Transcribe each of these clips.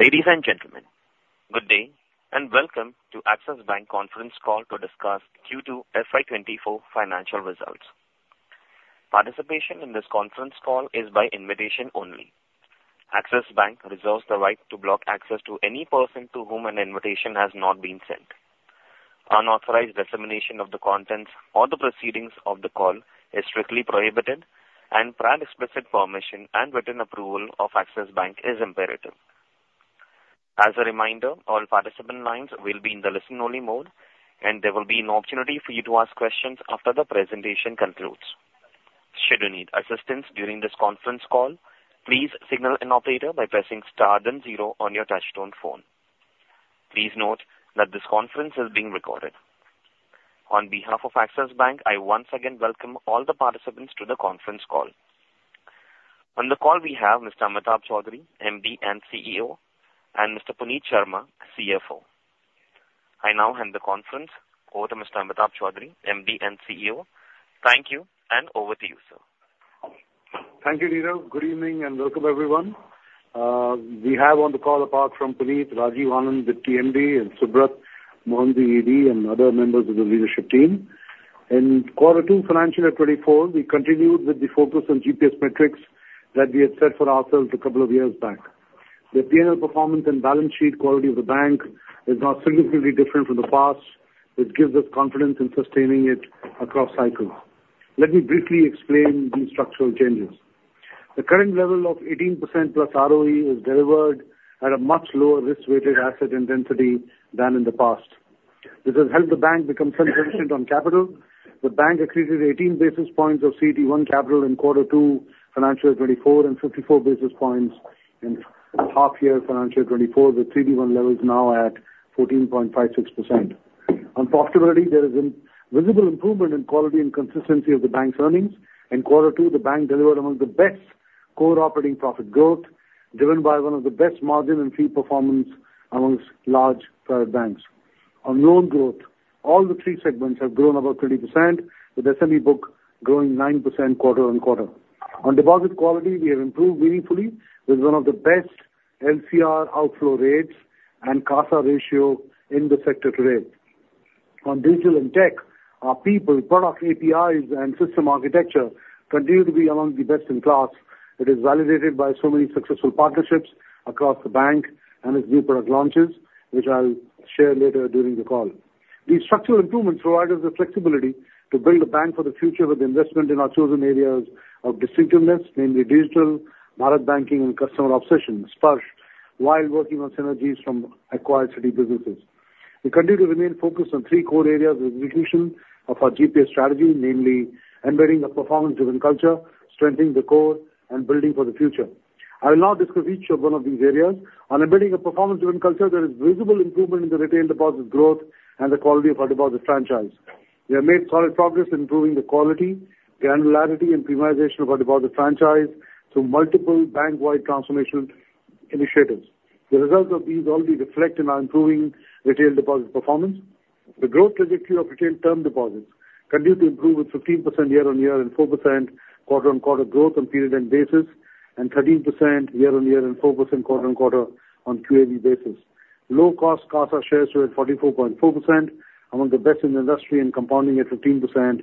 ReLadies and gentlemen, good day, and welcome to Axis Bank conference call to discuss Q2 FY24 financial results. Participation in this conference call is by invitation only. Axis Bank reserves the right to block access to any person to whom an invitation has not been sent. Unauthorized dissemination of the contents or the proceedings of the call is strictly prohibited, and prior explicit permission and written approval of Axis Bank is imperative. As a reminder, all participant lines will be in the listen-only mode, and there will be an opportunity for you to ask questions after the presentation concludes. Should you need assistance during this conference call, please signal an operator by pressing star then zero on your touchtone phone. Please note that this conference is being recorded. On behalf of Axis Bank, I once again welcome all the participants to the conference call. On the call, we have Mr. Amitabh Chaudhry, MD and CEO, and Mr. Puneet Sharma, CFO. I now hand the conference over to Mr. Amitabh Chaudhry, MD and CEO. Thank you, and over to you, sir. Thank you, Nirav. Good evening, and welcome, everyone. We have on the call, apart from Puneet, Rajiv Anand, Deputy MD, and Subrat Mohanty, ED, and other members of the leadership team. In Quarter 2, financial year 2024, we continued with the focus on GPS metrics that we had set for ourselves a couple of years back. The PNL performance and balance sheet quality of the bank is now significantly different from the past, which gives us confidence in sustaining it across cycles. Let me briefly explain these structural changes. The current level of 18%+ ROE is delivered at a much lower risk-weighted asset intensity than in the past. This has helped the bank become self-sufficient on capital. The bank accreted 18 basis points of CET1 capital in Quarter 2, financial year 2024, and 54 basis points in half year, financial year 2024, with CET1 levels now at 14.56%. On profitability, there is a visible improvement in quality and consistency of the bank's earnings. In Quarter 2, the bank delivered among the best core operating profit growth, driven by one of the best margin and fee performance among large private banks. On loan growth, all three segments have grown about 20%, with SME book growing 9% quarter-on-quarter. On deposit quality, we have improved meaningfully with one of the best LCR outflow rates and CASA ratio in the sector today. On digital and tech, our people, product APIs and system architecture continue to be among the best in class. It is validated by so many successful partnerships across the bank and its new product launches, which I'll share later during the call. These structural improvements provide us the flexibility to build a bank for the future with investment in our chosen areas of distinctiveness, namely digital, Bharat banking and customer obsession, Sparsh, while working on synergies from acquired Citi businesses. We continue to remain focused on three core areas of execution of our GPS strategy, namely embedding a performance-driven culture, strengthening the core and building for the future. I will now discuss each of one of these areas. On embedding a performance-driven culture, there is visible improvement in the retail deposit growth and the quality of our deposit franchise. We have made solid progress in improving the quality, the granularity and premiumization of our deposit franchise through multiple bank-wide transformation initiatives. The results of these already reflect in our improving retail deposit performance. The growth trajectory of retail term deposits continue to improve with 15% year-on-year and 4% quarter-on-quarter growth on period end basis, and 13% year-on-year and 4% quarter-on-quarter on QAB basis. Low cost CASA shares were at 44.4%, among the best in the industry and compounding at 15%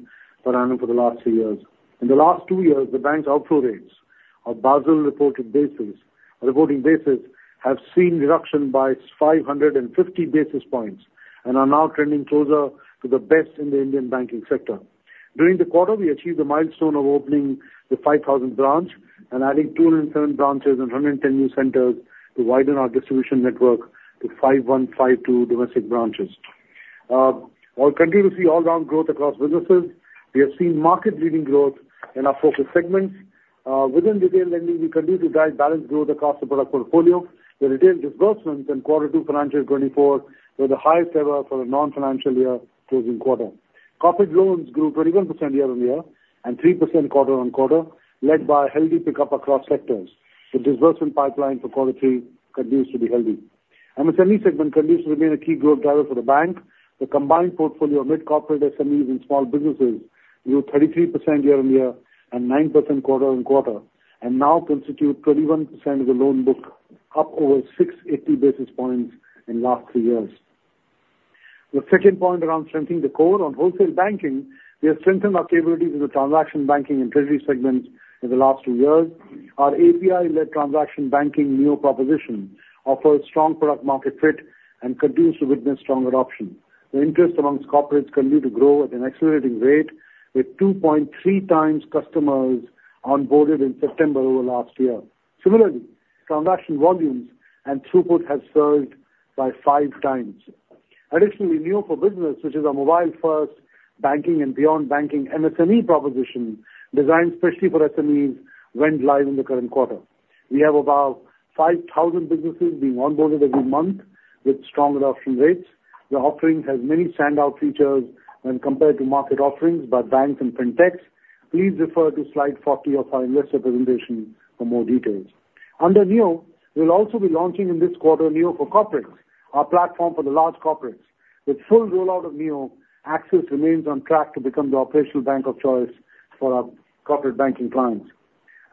per annum for the last three years. In the last two years, the bank's outflow rates of Basel reporting basis have seen reduction by 550 basis points and are now trending closer to the best in the Indian banking sector. During the quarter, we achieved the milestone of opening the 5,000th branch and adding 207 branches and 110 new centers to widen our distribution network to 5,152 domestic branches. While we continue to see all-round growth across businesses, we have seen market-leading growth in our focus segments. Within retail lending, we continue to drive balance growth across the product portfolio. The retail disbursements in Quarter 2, financial year 2024, were the highest ever for a non-financial year closing quarter. Corporate loans grew 21% year-on-year and 3% quarter-on-quarter, led by a healthy pickup across sectors. The disbursement pipeline for Quarter 3 continues to be healthy. MSME segment continues to remain a key growth driver for the bank. The combined portfolio of mid-corporate SMEs and small businesses grew 33% year-on-year and 9% quarter-on-quarter, and now constitute 21% of the loan book, up over 680 basis points in last three years. The second point around strengthening the core on wholesale banking, we have strengthened our capabilities in the transaction banking and treasury segments in the last 2 years. Our API-led transaction banking new proposition offers strong product market fit and continues to witness strong adoption. The interest among corporates continue to grow at an accelerating rate, with 2.3 times customers onboarded in September over last year. Similarly, transaction volumes and throughput has surged by 5 times. Additionally, Neo for Business, which is our mobile-first banking and beyond banking MSME proposition, designed especially for SMEs, went live in the current quarter. We have about 5,000 businesses being onboarded every month with strong adoption rates. The offering has many standout features when compared to market offerings by banks and fintechs. Please refer to slide 40 of our investor presentation for more details. Under Neo, we'll also be launching in this quarter, Neo for Corporates, our platform for the large corporates. With full rollout of Neo, Axis remains on track to become the operational bank of choice for our corporate banking clients.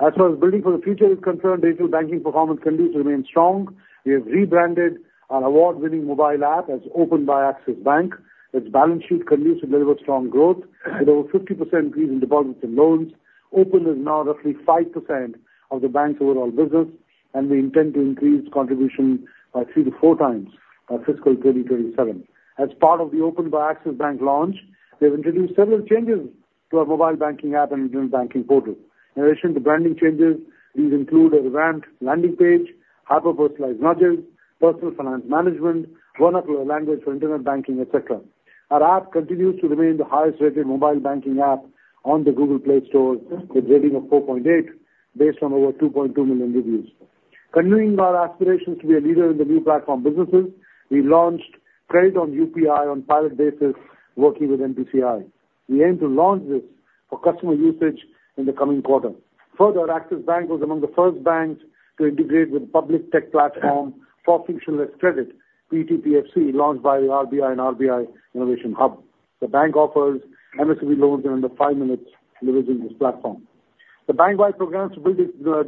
As far as building for the future is concerned, digital banking performance continues to remain strong. We have rebranded our award-winning mobile app as Open by Axis Bank. Its balance sheet continues to deliver strong growth, with over 50% increase in deposits and loans. Open is now roughly 5% of the bank's overall business, and we intend to increase contribution by 3-4 times by fiscal 2027. As part of the Open by Axis Bank launch, we have introduced several changes to our mobile banking app and internet banking portal. In addition to branding changes, these include a revamped landing page, hyper-personalized modules, personal finance management, vernacular language for internet banking, et cetera. Our app continues to remain the highest-rated mobile banking app on the Google Play Store, with a rating of 4.8 based on over 2.2 million reviews. Continuing our aspirations to be a leader in the new platform businesses, we launched credit on UPI on pilot basis working with NPCI. We aim to launch this for customer usage in the coming quarter. Further, Axis Bank was among the first banks to integrate with public tech platform for frictionless credit, PTPFC, launched by the RBI and RBI Innovation Hub. The bank offers MSME loans within under five minutes delivering this platform. The bank-wide programs to build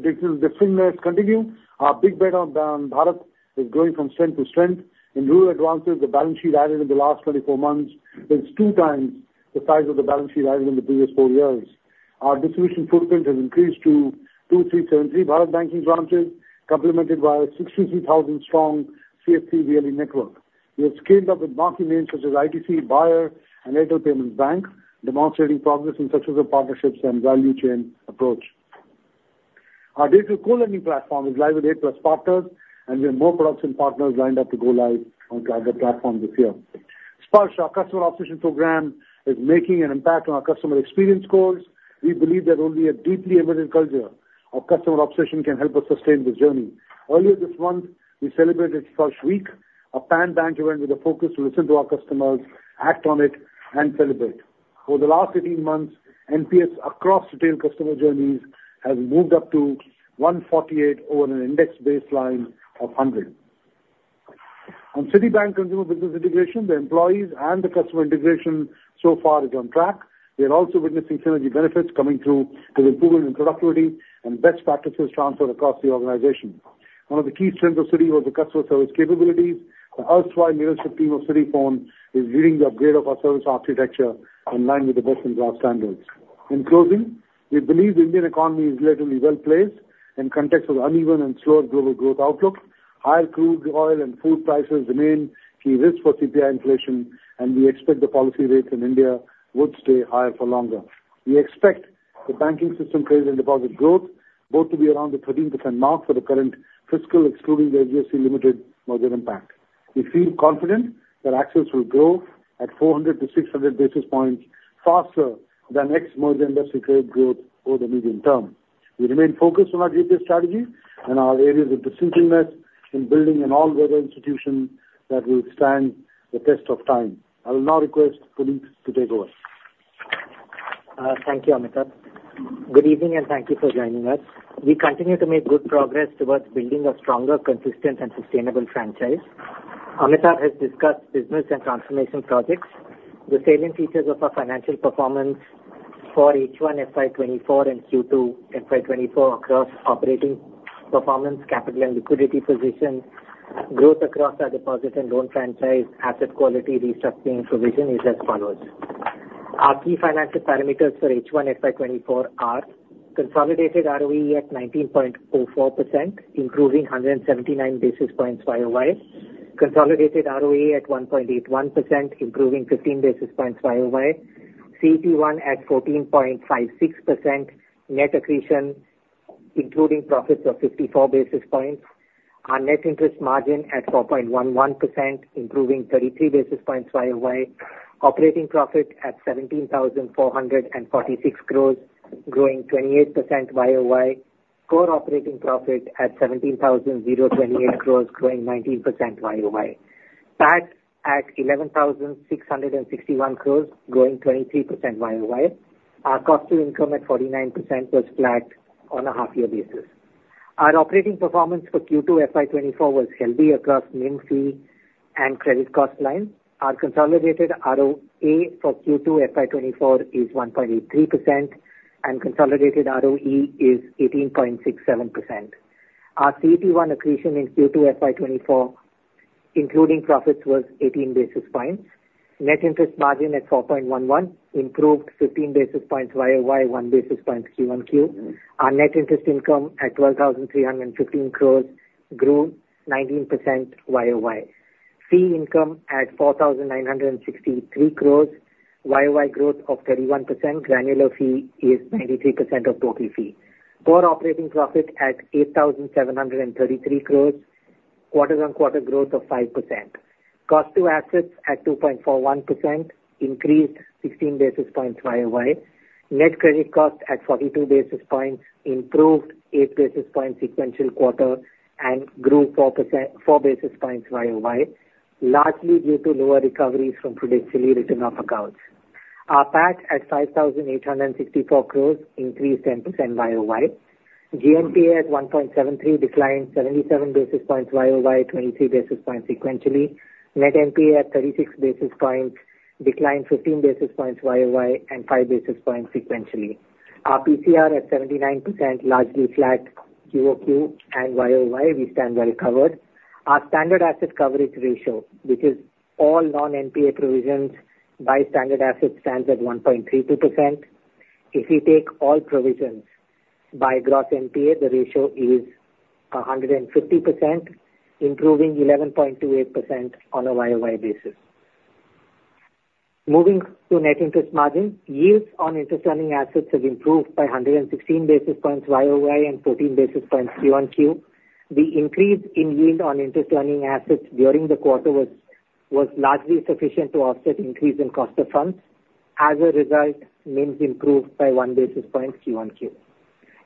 digital disciplines continue. Our big bet on Bharat is growing from strength to strength. In rural advances, the balance sheet added in the last 24 months is 2 times the size of the balance sheet added in the previous 4 years. Our distribution footprint has increased to 2,373 Bharat banking branches, complemented by a 63,000-strong CFP VLE network. We have scaled up with banking names such as ITC, Bayer, and Airtel Payments Bank, demonstrating progress in successful partnerships and value chain approach. Our digital co-lending platform is live with A+ partners, and we have more products and partners lined up to go live on other platforms this year. Sparsh, our customer obsession program, is making an impact on our customer experience scores. We believe that only a deeply embedded culture of customer obsession can help us sustain this journey. Earlier this month, we celebrated Sparsh Week, a pan-bank event with a focus to listen to our customers, act on it, and celebrate. Over the last 18 months, NPS across retail customer journeys has moved up to 148 over an index baseline of 100. On Citibank consumer business integration, the employees and the customer integration so far is on track. We are also witnessing synergy benefits coming through with improvements in productivity and best practices transferred across the organization. One of the key strengths of Citi was the customer service capabilities. The erstwhile leadership team of Citiphone is leading the upgrade of our service architecture in line with the best-in-class standards. In closing, we believe the Indian economy is relatively well-placed in context of uneven and slower global growth outlook. Higher crude oil and food prices remain key risks for CPI inflation, and we expect the policy rates in India would stay higher for longer. We expect the banking system credit and deposit growth both to be around the 13% mark for the current fiscal, excluding the HDFC Limited merger impact. We feel confident that Axis will grow at 400-600 basis points faster than next merger, and that's the trade growth over the medium term. We remain focused on our GPS strategy and our areas of distinctiveness in building an all-weather institution that will stand the test of time. I will now request Puneet to take over. Thank you, Amitabh. Good evening, and thank you for joining us. We continue to make good progress toward building a stronger, consistent and sustainable franchise. Amitabh has discussed business and transformation projects. The salient features of our financial performance for H1 FY 2024 and Q2 FY 2024 across operating performance, capital and liquidity position, growth across our deposit and loan franchise, asset quality, restructuring, and provision is as follows: Our key financial parameters for H1 FY 2024 are consolidated ROE at 19.04%, improving 179 basis points YoY. Consolidated ROA at 1.81%, improving 15 basis points YoY. CET1 at 14.56%. Net accretion, including profits, of 54 basis points. Our net interest margin at 4.11%, improving 33 basis points YoY. Operating profit at 17,446 crore, growing 28% YoY. Core operating profit at 17,028 crore, growing 19% YoY. PAT at 11,661 crore, growing 23% YoY. Our cost to income at 49% was flat on a half-year basis. Our operating performance for Q2 FY 2024 was healthy across NIM fee and credit cost line. Our consolidated ROA for Q2 FY 2024 is 1.83%, and consolidated ROE is 18.67%. Our CET1 accretion in Q2 FY 2024, including profits, was 18 basis points. Net interest margin at 4.11, improved 15 basis points YoY, 1 basis point QoQ. Our net interest income at 12,315 crore grew 19% YoY. Fee income at 4,963 crore, YOY growth of 31%. Granular fee is 93% of total fee. Core operating profit at 8,733 crore, quarter-on-quarter growth of 5%. Cost to assets at 2.41%, increased 16 basis points YOY. Net credit cost at 42 basis points, improved 8 basis points sequential quarter and grew 4 basis points YOY, largely due to lower recoveries from prudentially written-off accounts. Our PAT at 5,864 crore increased 10% YOY. GNPA at 1.73% declined 77 basis points YOY, 23 basis points sequentially. Net NPA at 36 basis points, declined 15 basis points YOY, and 5 basis points sequentially. Our PCR at 79%, largely flat QOQ and YOY, we stand well covered. Our standard asset coverage ratio, which is all non-NPA provisions by standard assets, stands at 1.32%. If you take all provisions by gross NPA, the ratio is 150%, improving 11.28% on a YOY basis. Moving to net interest margin, yields on interest earning assets have improved by 116 basis points YOY and 14 basis points Q1oQ. The increase in yield on interest earning assets during the quarter was largely sufficient to offset increase in cost of funds. As a result, NIMs improved by 1 basis point QoQ.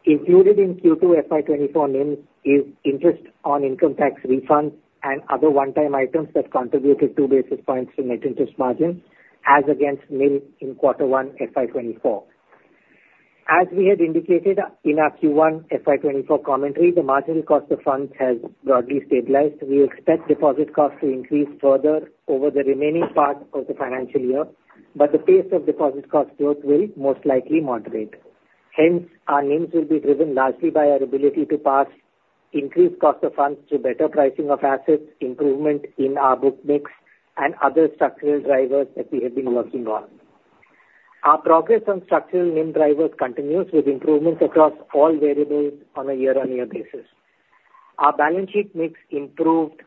Included in Q2 FY 2024 NIM is interest on income tax refunds and other one-time items that contributed 2 basis points to net interest margin, as against NIM in quarter one, FY 2024. As we had indicated in our Q1 FY 2024 commentary, the marginal cost of funds has broadly stabilized. We expect deposit costs to increase further over the remaining part of the financial year, but the pace of deposit cost growth will most likely moderate. Hence, our NIMs will be driven largely by our ability to pass increased cost of funds to better pricing of assets, improvement in our book mix and other structural drivers that we have been working on. Our progress on structural NIM drivers continues with improvements across all variables on a year-on-year basis. Our balance sheet mix improved,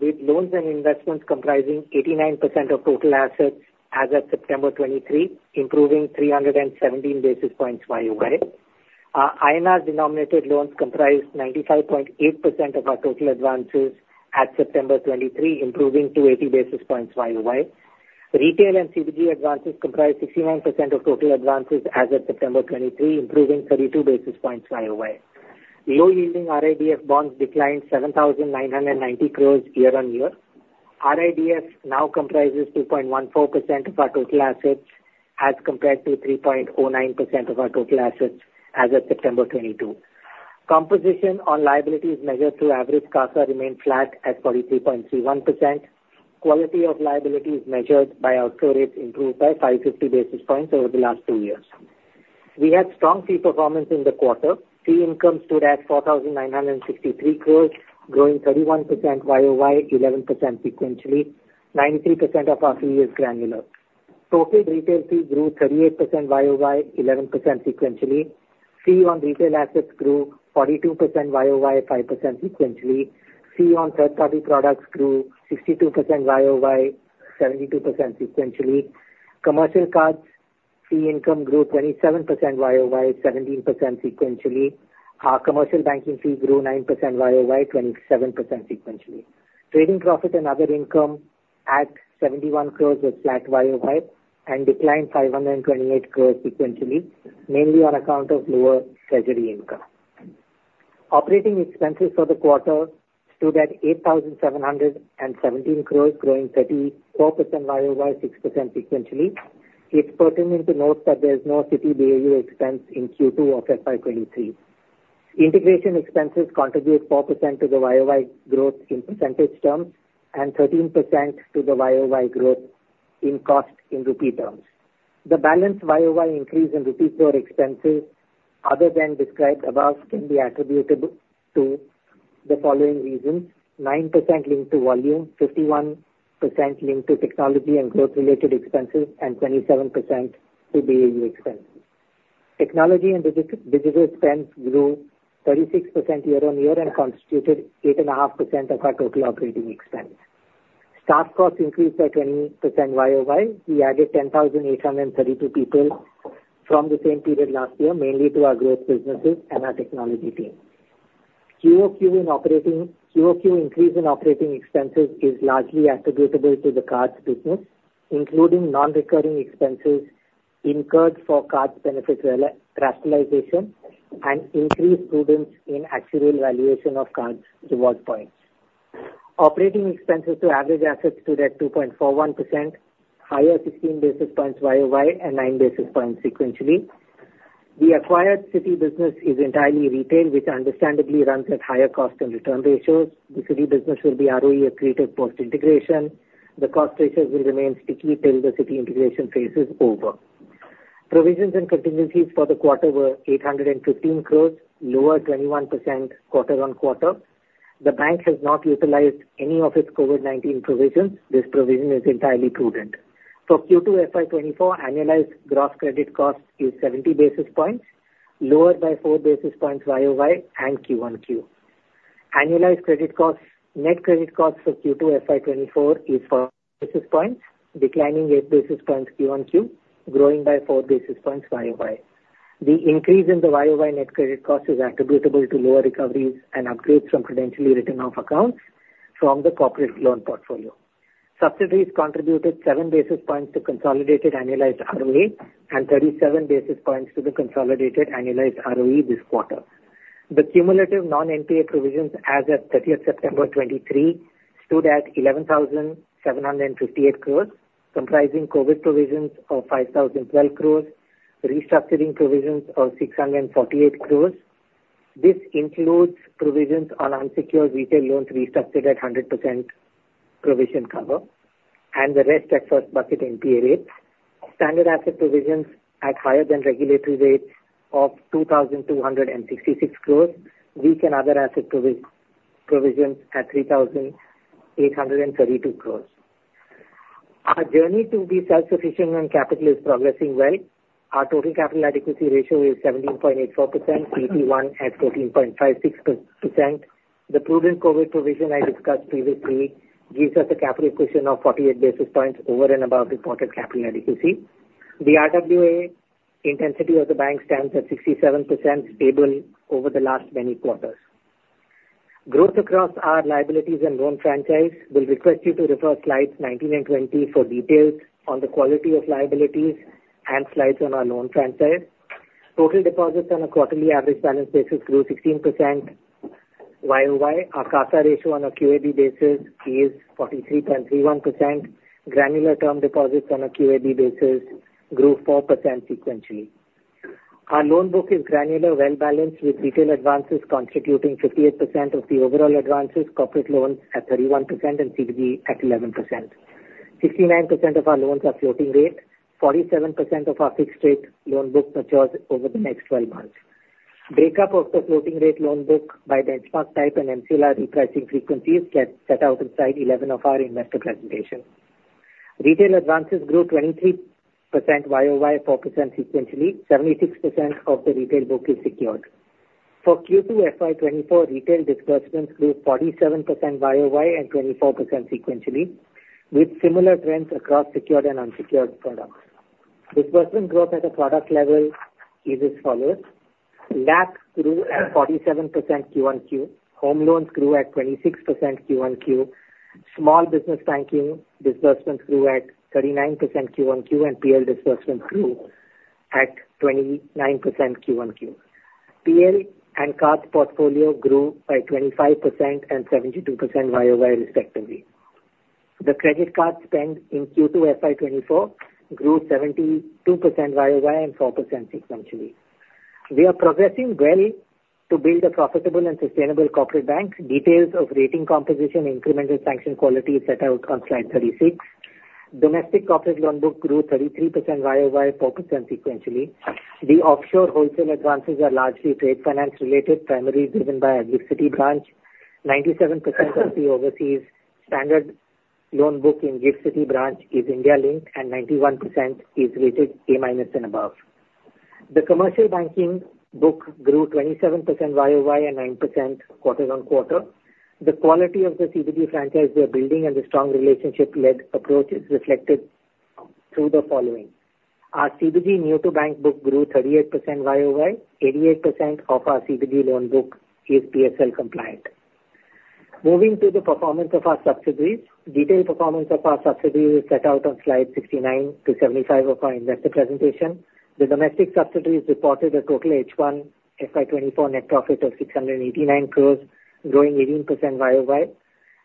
with loans and investments comprising 89% of total assets as of September 2023, improving 317 basis points YOY. Our INR-denominated loans comprised 95.8% of our total advances at September 2023, improving to 80 basis points YOY. Retail and CBG advances comprised 69% of total advances as of September 2023, improving 32 basis points YOY. Low-yielding RIDF bonds declined 7,990 crore year-on-year. RIDF now comprises 2.14% of our total assets, as compared to 3.09% of our total assets as of September 2022. Composition on liabilities measured through average CASA remained flat at 43.31%. Quality of liability is measured by our core rate, improved by 550 basis points over the last two years. We had strong fee performance in the quarter. Fee income stood at 4,963 crore, growing 31% YOY, 11% sequentially. 93% of our fee is granular. Total retail fee grew 38% YOY, 11% sequentially. Fee on retail assets grew 42% YOY, 5% sequentially. Fees on third-party products grew 62% YOY, 72% sequentially. Commercial cards fee income grew 27% YOY, 17% sequentially. Our commercial banking fee grew 9% YOY, 27% sequentially. Trading profit and other income at 71 crore was flat YOY and declined 528 crore sequentially, mainly on account of lower treasury income. Operating expenses for the quarter stood at 8,717 crore, growing 34% YOY, 6% sequentially. It's pertinent to note that there's no Citi BAU expense in Q2 of FY 2023. Integration expenses contribute 4% to the YOY growth in percentage terms, and 13% to the YOY growth in cost in rupee terms. The balance YOY increase in rupee core expenses, other than described above, can be attributed to the following reasons: 9% linked to volume, 51% linked to technology and growth-related expenses, and 27% to BAU expenses. Technology and digital spends grew 36% year-on-year and constituted 8.5% of our total operating expense. Staff costs increased by 20% YOY. We added 10,832 people from the same period last year, mainly to our growth businesses and our technology team. QOQ increase in operating expenses is largely attributable to the cards business, including non-recurring expenses incurred for cards benefits rationalization and increased prudence in actuarial valuation of cards reward points. Operating expenses to average assets stood at 2.41%, higher 16 basis points YOY and 9 basis points sequentially. The acquired Citi business is entirely retail, which understandably runs at higher cost and return ratios. The Citi business will be ROE accretive post-integration. The cost ratios will remain sticky till the Citi integration phase is over. Provisions and contingencies for the quarter were 815 crore, lower 21% quarter-on-quarter. The bank has not utilized any of its COVID-19 provisions. This provision is entirely prudent. For Q2 FY 2024, annualized gross credit cost is 70 basis points, lower by 4 basis points YOY and QoQ. Annualized credit costs - net credit costs for Q2 FY 2024 is 4 basis points, declining 8 basis points QoQ, growing by 4 basis points YOY. The increase in the YOY net credit cost is attributable to lower recoveries and upgrades from prudentially written off accounts from the corporate loan portfolio. Subsidiaries contributed 7 basis points to consolidated annualized ROE and 37 basis points to the consolidated annualized ROE this quarter. The cumulative non-NPA provisions as of thirtieth September 2023, stood at 11,758 crore, comprising COVID provisions of 5,012 crore, restructuring provisions of 648 crore. This includes provisions on unsecured retail loans restructured at 100% provision cover, and the rest at first bucket NPA rates. Standard asset provisions at higher than regulatory rates of 2,266 crore, weak and other asset provisions at 3,832 crore. Our journey to be self-sufficient on capital is progressing well. Our total capital adequacy ratio is 17.84%, CET1 at 14.56%. The prudent COVID provision I discussed previously gives us a capital cushion of 48 basis points over and above reported capital adequacy. The RWA intensity of the bank stands at 67%, stable over the last many quarters. Growth across our liabilities and loan franchise. We'll request you to refer slides 19 and 20 for details on the quality of liabilities and slides on our loan franchise. Total deposits on a quarterly average balance basis grew 16% YOY. Our CASA ratio on a QAB basis is 43.31%. Granular term deposits on a QAB basis grew 4% sequentially. Our loan book is granular, well-balanced, with retail advances constituting 58% of the overall advances, corporate loans at 31% and CBG at 11%. 69% of our loans are floating rate, 47% of our fixed rate loan book matures over the next 12 months. Breakup of the floating rate loan book by benchmark type and MCLR repricing frequencies get set out in slide 11 of our investor presentation. Retail advances grew 23% YOY, 4% sequentially. 76% of the retail book is secured. For Q2 FY 2024, retail disbursements grew 47% YOY and 24% sequentially, with similar trends across secured and unsecured products. Disbursement growth at a product level is as follows: LAP grew 47% QoQ, home loans grew at 26% QoQ, small business banking disbursements grew at 39% QoQ, and PL disbursements grew at 29% QoQ. PL and cards portfolio grew by 25% and 72% YOY, respectively. The credit card spend in Q2 FY2024 grew 72% YOY and 4% sequentially. We are progressing well to build a profitable and sustainable corporate bank. Details of rating composition, incremental sanction quality is set out on Slide 36. Domestic corporate loan book grew 33% YOY, 4% sequentially. The offshore wholesale advances are largely trade finance-related, primarily driven by GIFT City branch. 97% of the overseas standard loan book in GIFT City branch is India-linked, and 91% is rated A- and above. The commercial banking book grew 27% YOY and 9% quarter-on-quarter. The quality of the CBD franchise we are building and the strong relationship-led approach is reflected through the following. Our CBD new to bank book grew 38% YOY. 88% of our CBD loan book is PSL compliant. Moving to the performance of our subsidiaries. Detailed performance of our subsidiaries is set out on slide 69-75 of our investor presentation. The domestic subsidiaries reported a total H1 FY 2024 net profit of 689 crore, growing 18% YOY.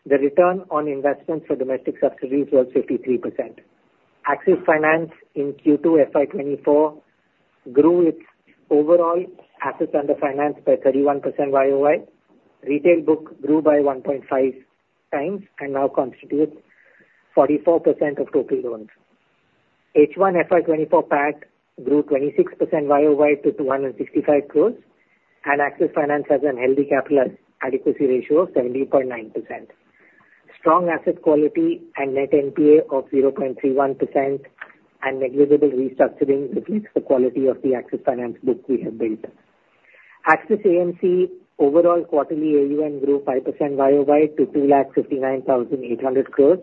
The return on investment for domestic subsidiaries was 53%. Axis Finance in Q2 FY 2024 grew its overall assets under finance by 31% YOY. Retail book grew by 1.5 times and now constitutes 44% of total loans. H1 FY 2024 PAT grew 26% YOY to 165 crore, and Axis Finance has a healthy capital adequacy ratio of 70.9%. Strong asset quality and net NPA of 0.31% and negligible restructuring, reflects the quality of the Axis Finance book we have built. Axis AMC, overall quarterly AUM grew 5% YOY to 259,800 crore.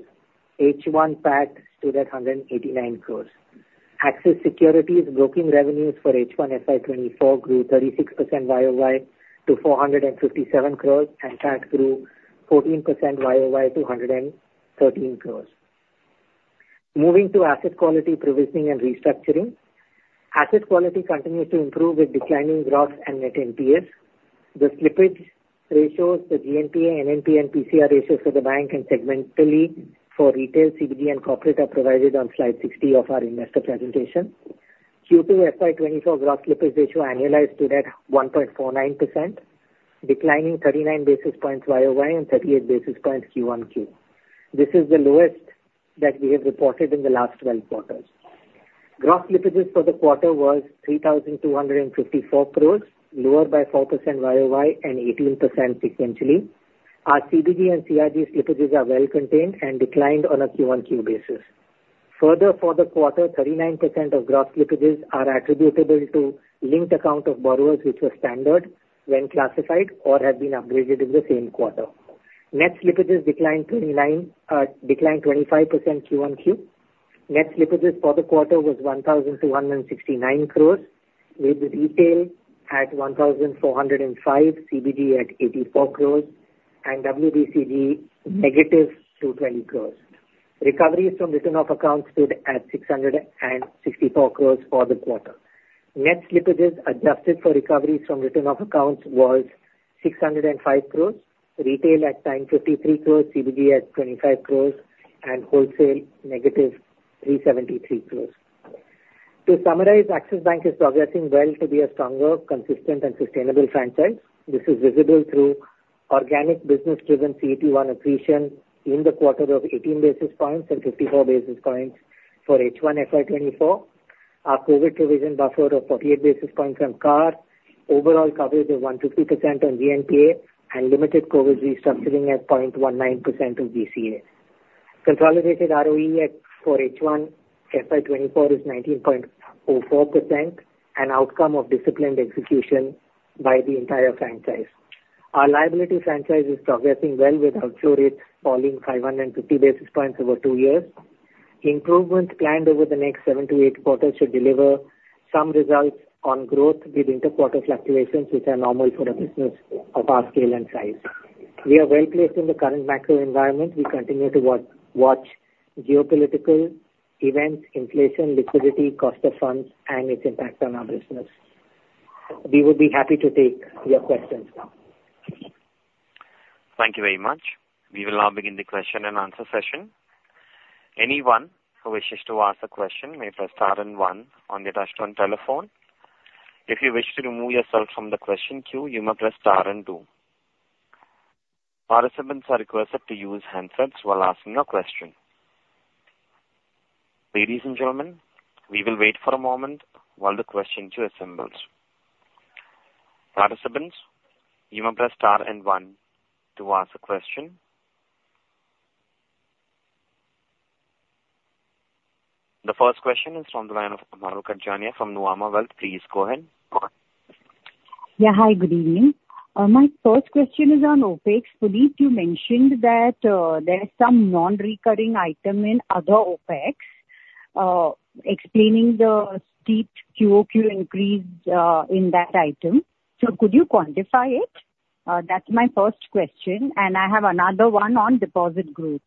H1 PAT stood at 189 crore. Axis Securities broking revenues for H1 FY 2024 grew 36% YOY to 457 crore, and PAT grew 14% YOY to 113 crore. Moving to asset quality provisioning and restructuring. Asset quality continues to improve with declining gross and net NPAs. The slippage ratios, the GNPA, NNPA, and PCR ratios for the bank and segmentally for retail, CBD, and corporate, are provided on slide 60 of our investor presentation. Q2 FY 2024 gross slippage ratio annualized stood at 1.49%, declining 39 basis points YOY and 38 basis points QoQ. This is the lowest that we have reported in the last 12 quarters. Gross slippages for the quarter was 3,254 crore, lower by 4% YOY and 18% sequentially. Our CBD and CRG slippages are well contained and declined on a QoQ basis. Further, for the quarter, 39% of gross slippages are attributable to linked account of borrowers, which were standard when classified or have been upgraded in the same quarter. Net slippages declined twenty-nine, declined 25% QoQ. Net slippages for the quarter was 1,269 crore, with retail at 1,405 crore, CBD at 84 crore, and WDCG, -220 crore. Recoveries from written-off accounts stood at 664 crore for the quarter. Net slippages adjusted for recoveries from written-off accounts was 605 crore, retail at 953 crore, CBD at 25 crore, and wholesale, -373 crore. To summarize, Axis Bank is progressing well to be a stronger, consistent, and sustainable franchise. This is visible through organic business-driven CET1 accretion in the quarter of 18 basis points and 54 basis points for H1 FY 2024. Our COVID provision buffer of 48 basis points on CAR, overall coverage of 150% on GNPA, and limited COVID restructuring at 0.19% of GCA. Consolidated ROE at, for H1, FY 2024 is 19.04%, an outcome of disciplined execution by the entire franchise. Our liability franchise is progressing well with outflow rates falling 550 basis points over 2 years. Improvements planned over the next 7-8 quarters should deliver some results on growth with inter-quarter fluctuations, which are normal for a business of our scale and size. We are well-placed in the current macro environment. We continue to watch geopolitical events, inflation, liquidity, cost of funds, and its impact on our business. We would be happy to take your questions now. Thank you very much. We will now begin the question and answer session. Anyone who wishes to ask a question may press star and one on your touch-tone telephone. If you wish to remove yourself from the question queue, you may press star and two. Participants are requested to use handsets while asking a question. Ladies and gentlemen, we will wait for a moment while the question queue assembles. Participants, you may press star and one to ask a question. The first question is from the line of Mahrukh Adajania from Nuvama Wealth. Please go ahead. Yeah. Hi, good evening. My first question is on OpEx. Puneet, you mentioned that there is some non-recurring item in other OpEx, explaining the steep QOQ increase in that item. So could you quantify it? That's my first question, and I have another one on deposit growth.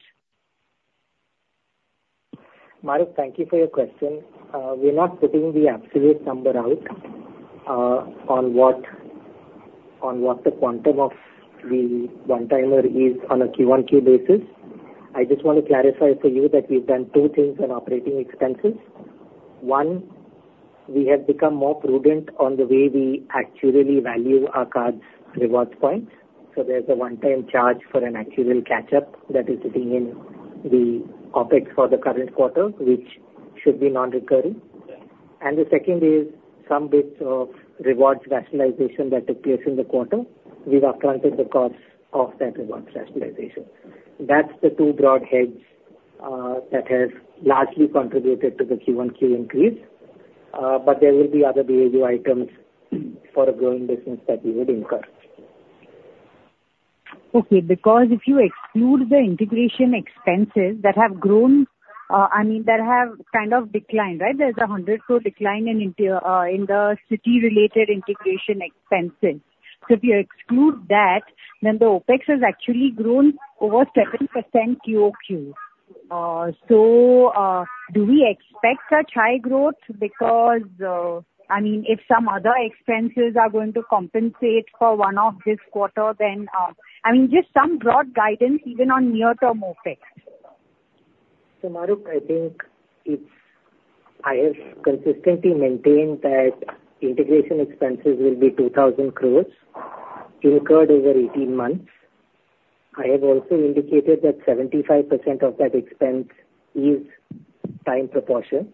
Mahrukh, thank you for your question. We're not putting the absolute number out on what the quantum of the one-timer is on a QoQ basis. I just want to clarify for you that we've done two things on operating expenses. One, we have become more prudent on the way we actually value our cards' rewards points. So there's a one-time charge for an actual catch-up that is sitting in the OpEx for the current quarter, which should be non-recurring. And the second is some bits of rewards rationalization that took place in the quarter. We've accounted the cost of that rewards rationalization. That's the two broad heads that have largely contributed to the QoQ increase. But there will be other BAU items for a growing business that we would incur. Okay, because if you exclude the integration expenses that have grown, I mean, that have kind of declined, right? There's 100 crore decline in the Citi-related integration expenses. So if you exclude that, then the OpEx has actually grown over 7% QOQ. So, do we expect such high growth? Because, I mean, if some other expenses are going to compensate for one-off this quarter, then... I mean, just some broad guidance, even on near-term OpEx. So, Mahrukh, I think it's, I have consistently maintained that integration expenses will be 2,000 crore incurred over 18 months. I have also indicated that 75% of that expense is time proportion,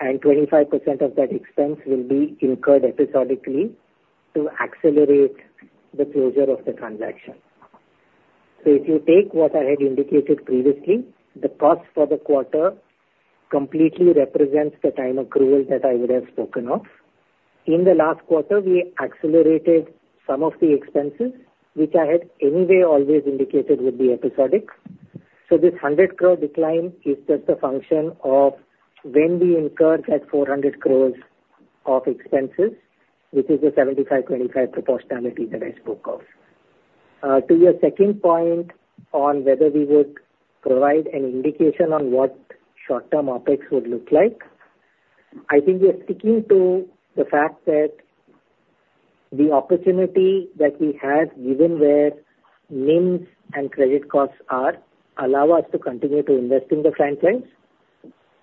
and 25% of that expense will be incurred episodically to accelerate the closure of the transaction. So if you take what I had indicated previously, the cost for the quarter completely represents the time accrual that I would have spoken of. In the last quarter, we accelerated some of the expenses, which I had anyway always indicated would be episodic. So this 100 crore decline is just a function of when we incur that 400 crore of expenses, which is the 75, 25 proportionality that I spoke of. To your second point on whether we would provide an indication on what short-term OpEx would look like, I think we are sticking to the fact that the opportunity that we have, given where NIMs and credit costs are, allow us to continue to invest in the franchise.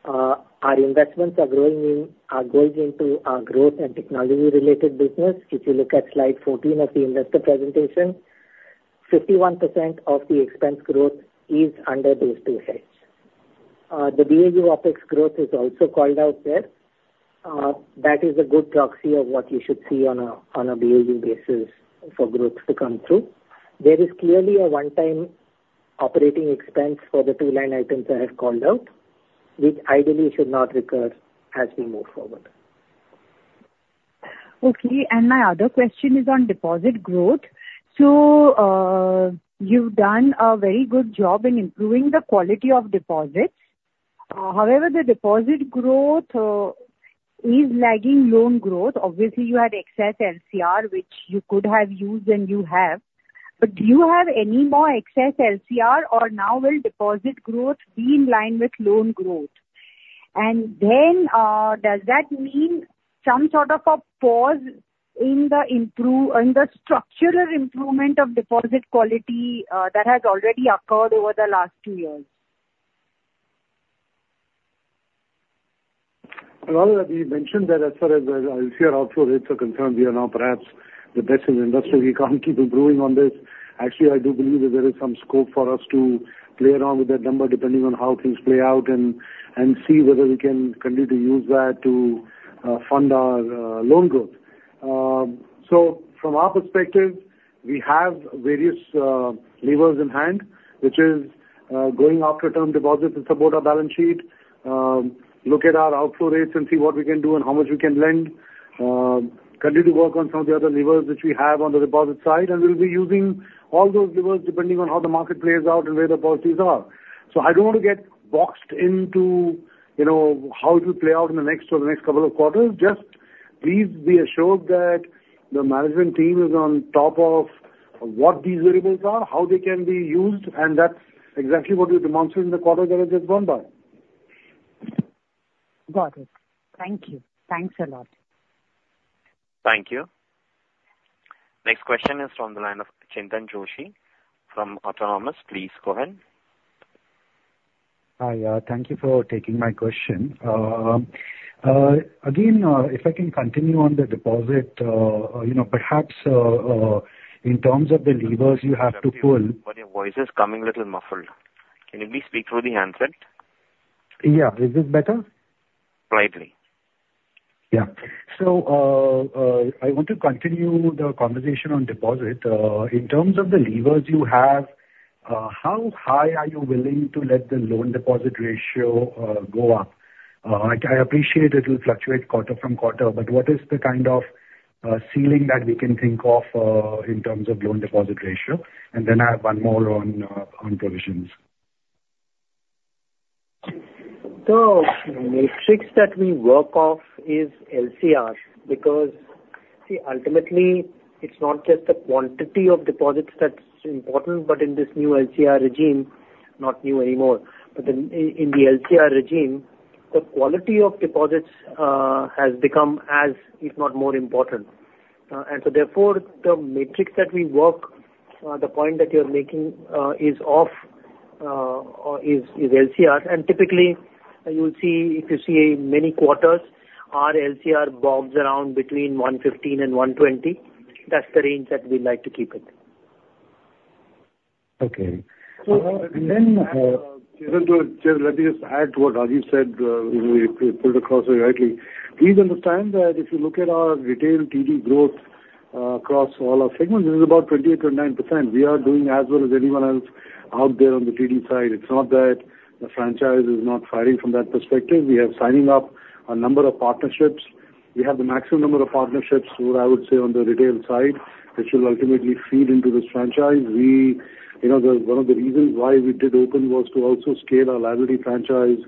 Our investments are growing in, are going into our growth and technology-related business. If you look at slide 14 of the investor presentation, 51% of the expense growth is under these two heads. The BAU OpEx growth is also called out there. That is a good proxy of what you should see on a BAU basis for growth to come through. There is clearly a one-time operating expense for the two line items I have called out, which ideally should not recur as we move forward. Okay, and my other question is on deposit growth. So, you've done a very good job in improving the quality of deposits. However, the deposit growth is lagging loan growth. Obviously, you had excess LCR, which you could have used, and you have, but do you have any more excess LCR, or now will deposit growth be in line with loan growth? And then, does that mean some sort of a pause in the structural improvement of deposit quality that has already occurred over the last two years? Well, we mentioned that as far as, LCR outflow rates are concerned, we are now perhaps the best in the industry. We can't keep improving on this. Actually, I do believe that there is some scope for us to play around with that number, depending on how things play out, and see whether we can continue to use that to fund our loan growth. So from our perspective, we have various levers in hand, which is going after term deposits to support our balance sheet, look at our outflow rates and see what we can do and how much we can lend, continue to work on some of the other levers which we have on the deposit side, and we'll be using all those levers depending on how the market plays out and where the policies are. I don't want to get boxed into, you know, how it will play out in the next or the next couple of quarters. Just please be assured that the management team is on top of what these variables are, how they can be used, and that's exactly what we demonstrated in the quarter that has just gone by. Got it. Thank you. Thanks a lot. Thank you. Next question is from the line of Chintan Joshi from Autonomous. Please go ahead. Hi, thank you for taking my question. Again, if I can continue on the deposit, you know, perhaps, in terms of the levers you have to pull- But your voice is coming a little muffled. Can you please speak through the handset? Yeah. Is this better? Slightly. Yeah. So, I want to continue the conversation on deposit. In terms of the levers you have, how high are you willing to let the loan deposit ratio go up? I appreciate it will fluctuate quarter from quarter, but what is the kind of ceiling that we can think of in terms of loan deposit ratio? And then I have one more on provisions. So the metrics that we work off is LCR, because, see, ultimately, it's not just the quantity of deposits that's important, but in this new LCR regime, not new anymore, but in the LCR regime, the quality of deposits has become as if not more important. And so therefore, the metrics that we work, the point that you're making, is off, or is LCR. And typically, you'll see, if you see many quarters, our LCR bobs around between 115 and 120. That's the range that we like to keep it. Okay. So, and then, Let me just add to what Rajiv said, he put across very rightly. Please understand that if you look at our retail TD growth, across all our segments, this is about 28-29%. We are doing as well as anyone else out there on the TD side. It's not that the franchise is not fighting from that perspective. We are signing up a number of partnerships. We have the maximum number of partnerships, what I would say on the retail side, which will ultimately feed into this franchise. You know, the one of the reasons why we did Open was to also scale our liability franchise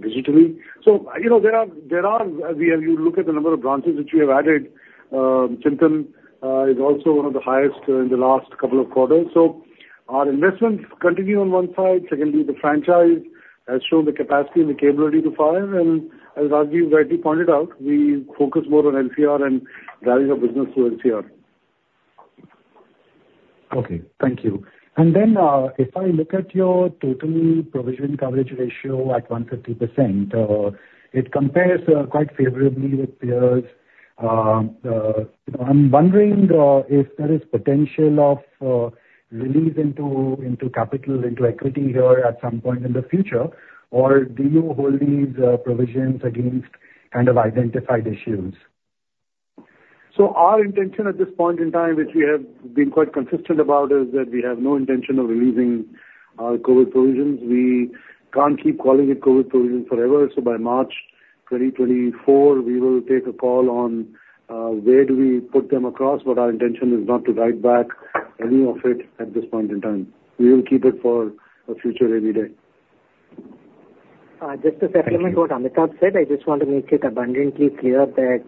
digitally. So, you know, there are, there are, as we have, you look at the number of branches which we have added, Chintan, is also one of the highest in the last couple of quarters. Our investments continue on one side. Secondly, the franchise has shown the capacity and the capability to file. As Rajiv rightly pointed out, we focus more on LCR and value of business to LCR. Okay, thank you. And then, if I look at your total provision coverage ratio at 150%, it compares quite favorably with yours. I'm wondering if there is potential of release into, into capital, into equity here at some point in the future? Or do you hold these provisions against kind of identified issues? So our intention at this point in time, which we have been quite consistent about, is that we have no intention of releasing our COVID provisions. We can't keep calling it COVID provisions forever. So by March 2024, we will take a call on where do we put them across, but our intention is not to write back any of it at this point in time. We will keep it for a future rainy day. Just to supplement what Amitabh said, I just want to make it abundantly clear that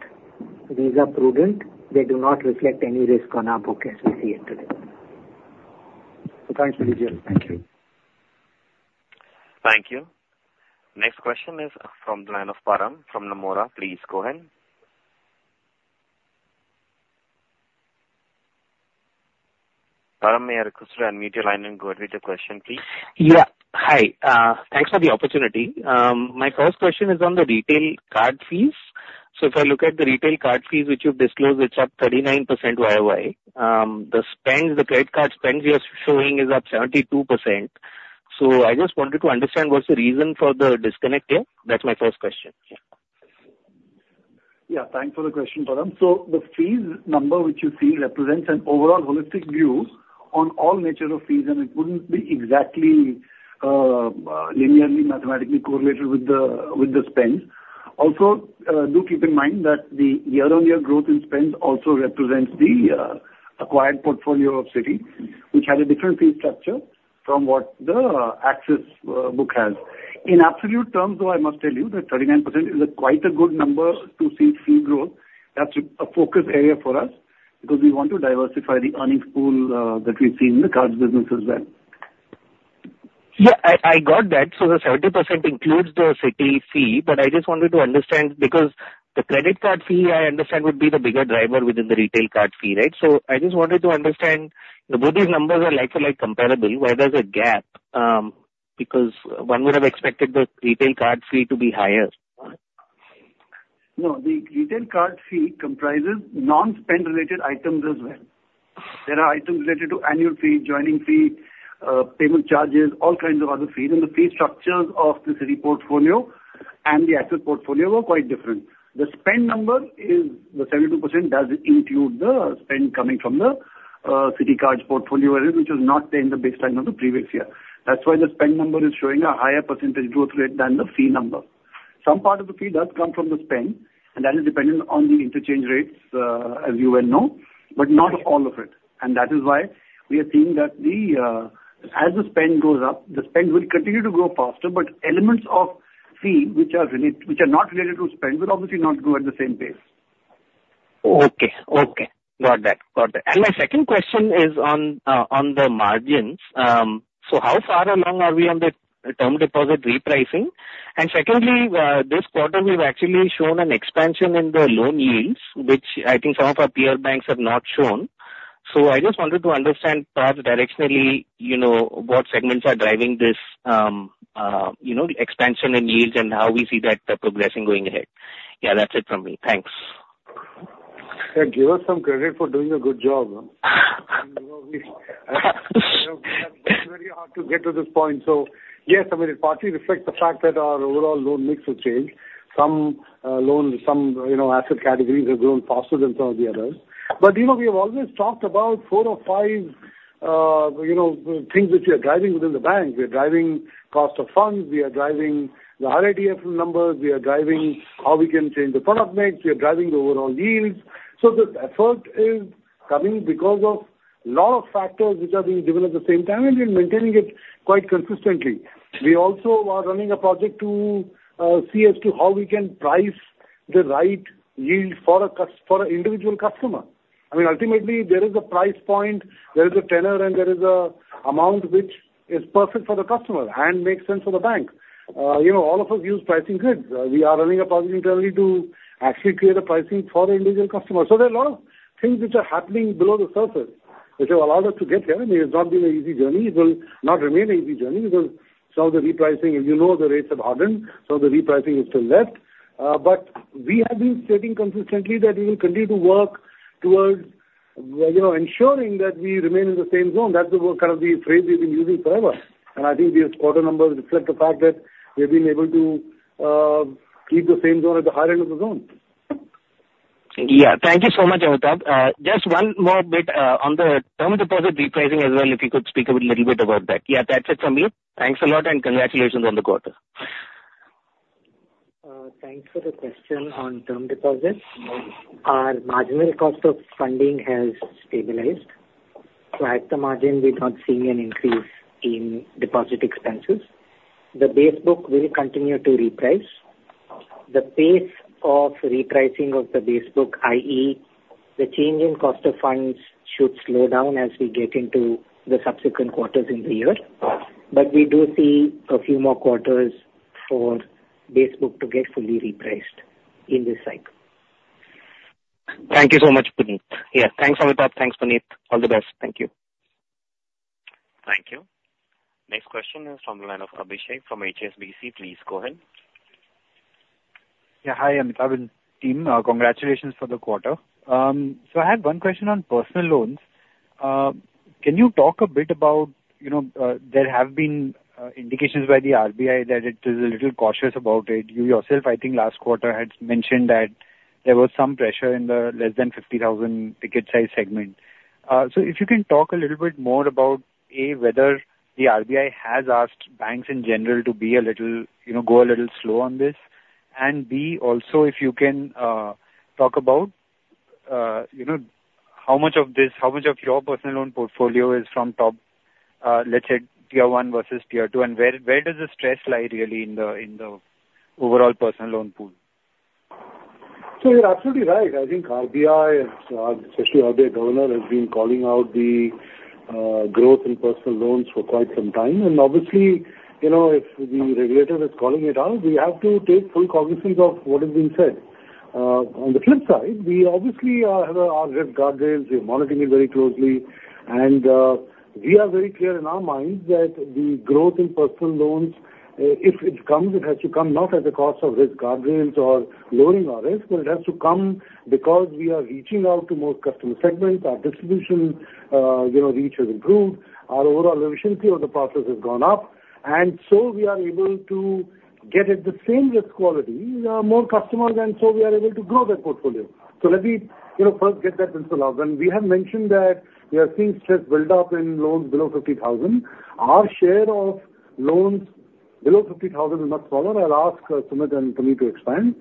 these are prudent. They do not reflect any risk on our book as we see it today. Thanks, Rajiv. Thank you. Thank you. Next question is from the line of Param from Nomura. Please go ahead. Param, may I request you unmute your line and go ahead with your question, please? Yeah. Hi, thanks for the opportunity. My first question is on the retail card fees. So if I look at the retail card fees, which you've disclosed, it's up 39% YOY. The spends, the credit card spends you are showing is up 72%. So I just wanted to understand what's the reason for the disconnect there? That's my first question. Yeah, thanks for the question, Param. So the fees number which you see represents an overall holistic view on all nature of fees, and it wouldn't be exactly linearly, mathematically correlated with the spends. Also, do keep in mind that the year-on-year growth in spend also represents the acquired portfolio of Citi, which had a different fee structure from what the Axis book has. In absolute terms, though, I must tell you that 39% is quite a good number to see fee growth. That's a focus area for us, because we want to diversify the earning pool that we see in the cards business as well. Yeah, I, I got that. So the 70% includes the Citi fee, but I just wanted to understand, because the credit card fee, I understand, would be the bigger driver within the retail card fee, right? So I just wanted to understand, both these numbers are like for like comparable, why there's a gap, because one would have expected the retail card fee to be higher. No, the retail card fee comprises non-spend related items as well. There are items related to annual fee, joining fee, payment charges, all kinds of other fees, and the fee structures of the Citi portfolio and the Axis portfolio were quite different. The spend number is, the 72% does include the spend coming from the, Citi card portfolio, which is not there in the baseline of the previous year. That's why the spend number is showing a higher percentage growth rate than the fee number. Some part of the fee does come from the spend, and that is dependent on the interchange rates, as you well know, but not all of it. That is why we are seeing that as the spend goes up, the spend will continue to grow faster, but elements of fee which are not related to spend will obviously not grow at the same pace. Okay. Okay. Got that. Got that. And my second question is on, on the margins. So how far along are we on the term deposit repricing? And secondly, this quarter we've actually shown an expansion in the loan yields, which I think some of our peer banks have not shown. So I just wanted to understand perhaps directionally, you know, what segments are driving this, you know, expansion in yields and how we see that, progressing going ahead. Yeah, that's it from me. Thanks. Yeah, give us some credit for doing a good job. You know, we... It's very hard to get to this point. So yes, I mean, it partly reflects the fact that our overall loan mix has changed. Some loans, some, you know, asset categories have grown faster than some of the others. But, you know, we have always talked about four or five, you know, things which we are driving within the bank. We are driving cost of funds, we are driving the RITL numbers, we are driving how we can change the product mix, we are driving the overall yields. So the effort is coming because of lot of factors which are being driven at the same time, and we're maintaining it quite consistently. We also are running a project to see as to how we can price the right yield for a individual customer. I mean, ultimately, there is a price point, there is a tenor, and there is a amount which is perfect for the customer and makes sense for the bank. You know, all of us use pricing grids. We are running a project internally to actually create a pricing for the individual customer. So there are a lot of things which are happening below the surface, which have allowed us to get here, and it has not been an easy journey. It will not remain an easy journey because some of the repricing, and you know, the rates have hardened, so the repricing is still left. But we have been stating consistently that we will continue to work towards, you know, ensuring that we remain in the same zone. That's the kind of the phrase we've been using forever. And I think these quarter numbers reflect the fact that we've been able to keep the same zone at the high end of the zone. Yeah. Thank you so much, Amitabh. Just one more bit on the term deposit repricing as well, if you could speak a little bit about that. Yeah, that's it from me. Thanks a lot, and congratulations on the quarter. Thanks for the question on term deposits. Our marginal cost of funding has stabilized, so at the margin, we're not seeing an increase in deposit expenses. The base book will continue to reprice. The pace of repricing of the base book, i.e., the change in cost of funds, should slow down as we get into the subsequent quarters in the year. But we do see a few more quarters for base book to get fully repriced in this cycle. Thank you so much, Puneet. Yeah, thanks, Amitabh. Thanks, Puneet. All the best. Thank you. Thank you. Next question is from the line of Abhishek from HSBC. Please go ahead. Yeah, hi, Amitabh and team. Congratulations for the quarter. So I had one question on personal loans. Can you talk a bit about, you know, there have been indications by the RBI that it is a little cautious about it. You yourself, I think, last quarter had mentioned that there was some pressure in the less than 50,000 ticket size segment. So if you can talk a little bit more about, A, whether the RBI has asked banks in general to be a little, you know, go a little slow on this, and B, also, if you can talk about, you know, how much of this, how much of your personal loan portfolio is from top, let's say Tier 1 versus Tier 2, and where, where does the stress lie really in the, in the overall personal loan pool? So you're absolutely right. I think RBI and, especially RBI governor, has been calling out the growth in personal loans for quite some time. And obviously, you know, if the regulator is calling it out, we have to take full cognizance of what is being said. On the flip side, we obviously have our risk guardians. We are monitoring it very closely, and we are very clear in our minds that the growth in personal loans, if it comes, it has to come not at the cost of risk guardians or lowering our risk, but it has to come because we are reaching out to more customer segments. Our distribution, you know, reach has improved. Our overall efficiency of the process has gone up, and so we are able to get at the same risk quality, more customers, and so we are able to grow that portfolio. So let me, you know, first get that principal out. And we have mentioned that we are seeing stress build up in loans below 50,000. Our share of loans below 50,000 is much smaller. I'll ask, Sumit and Puneet to expand.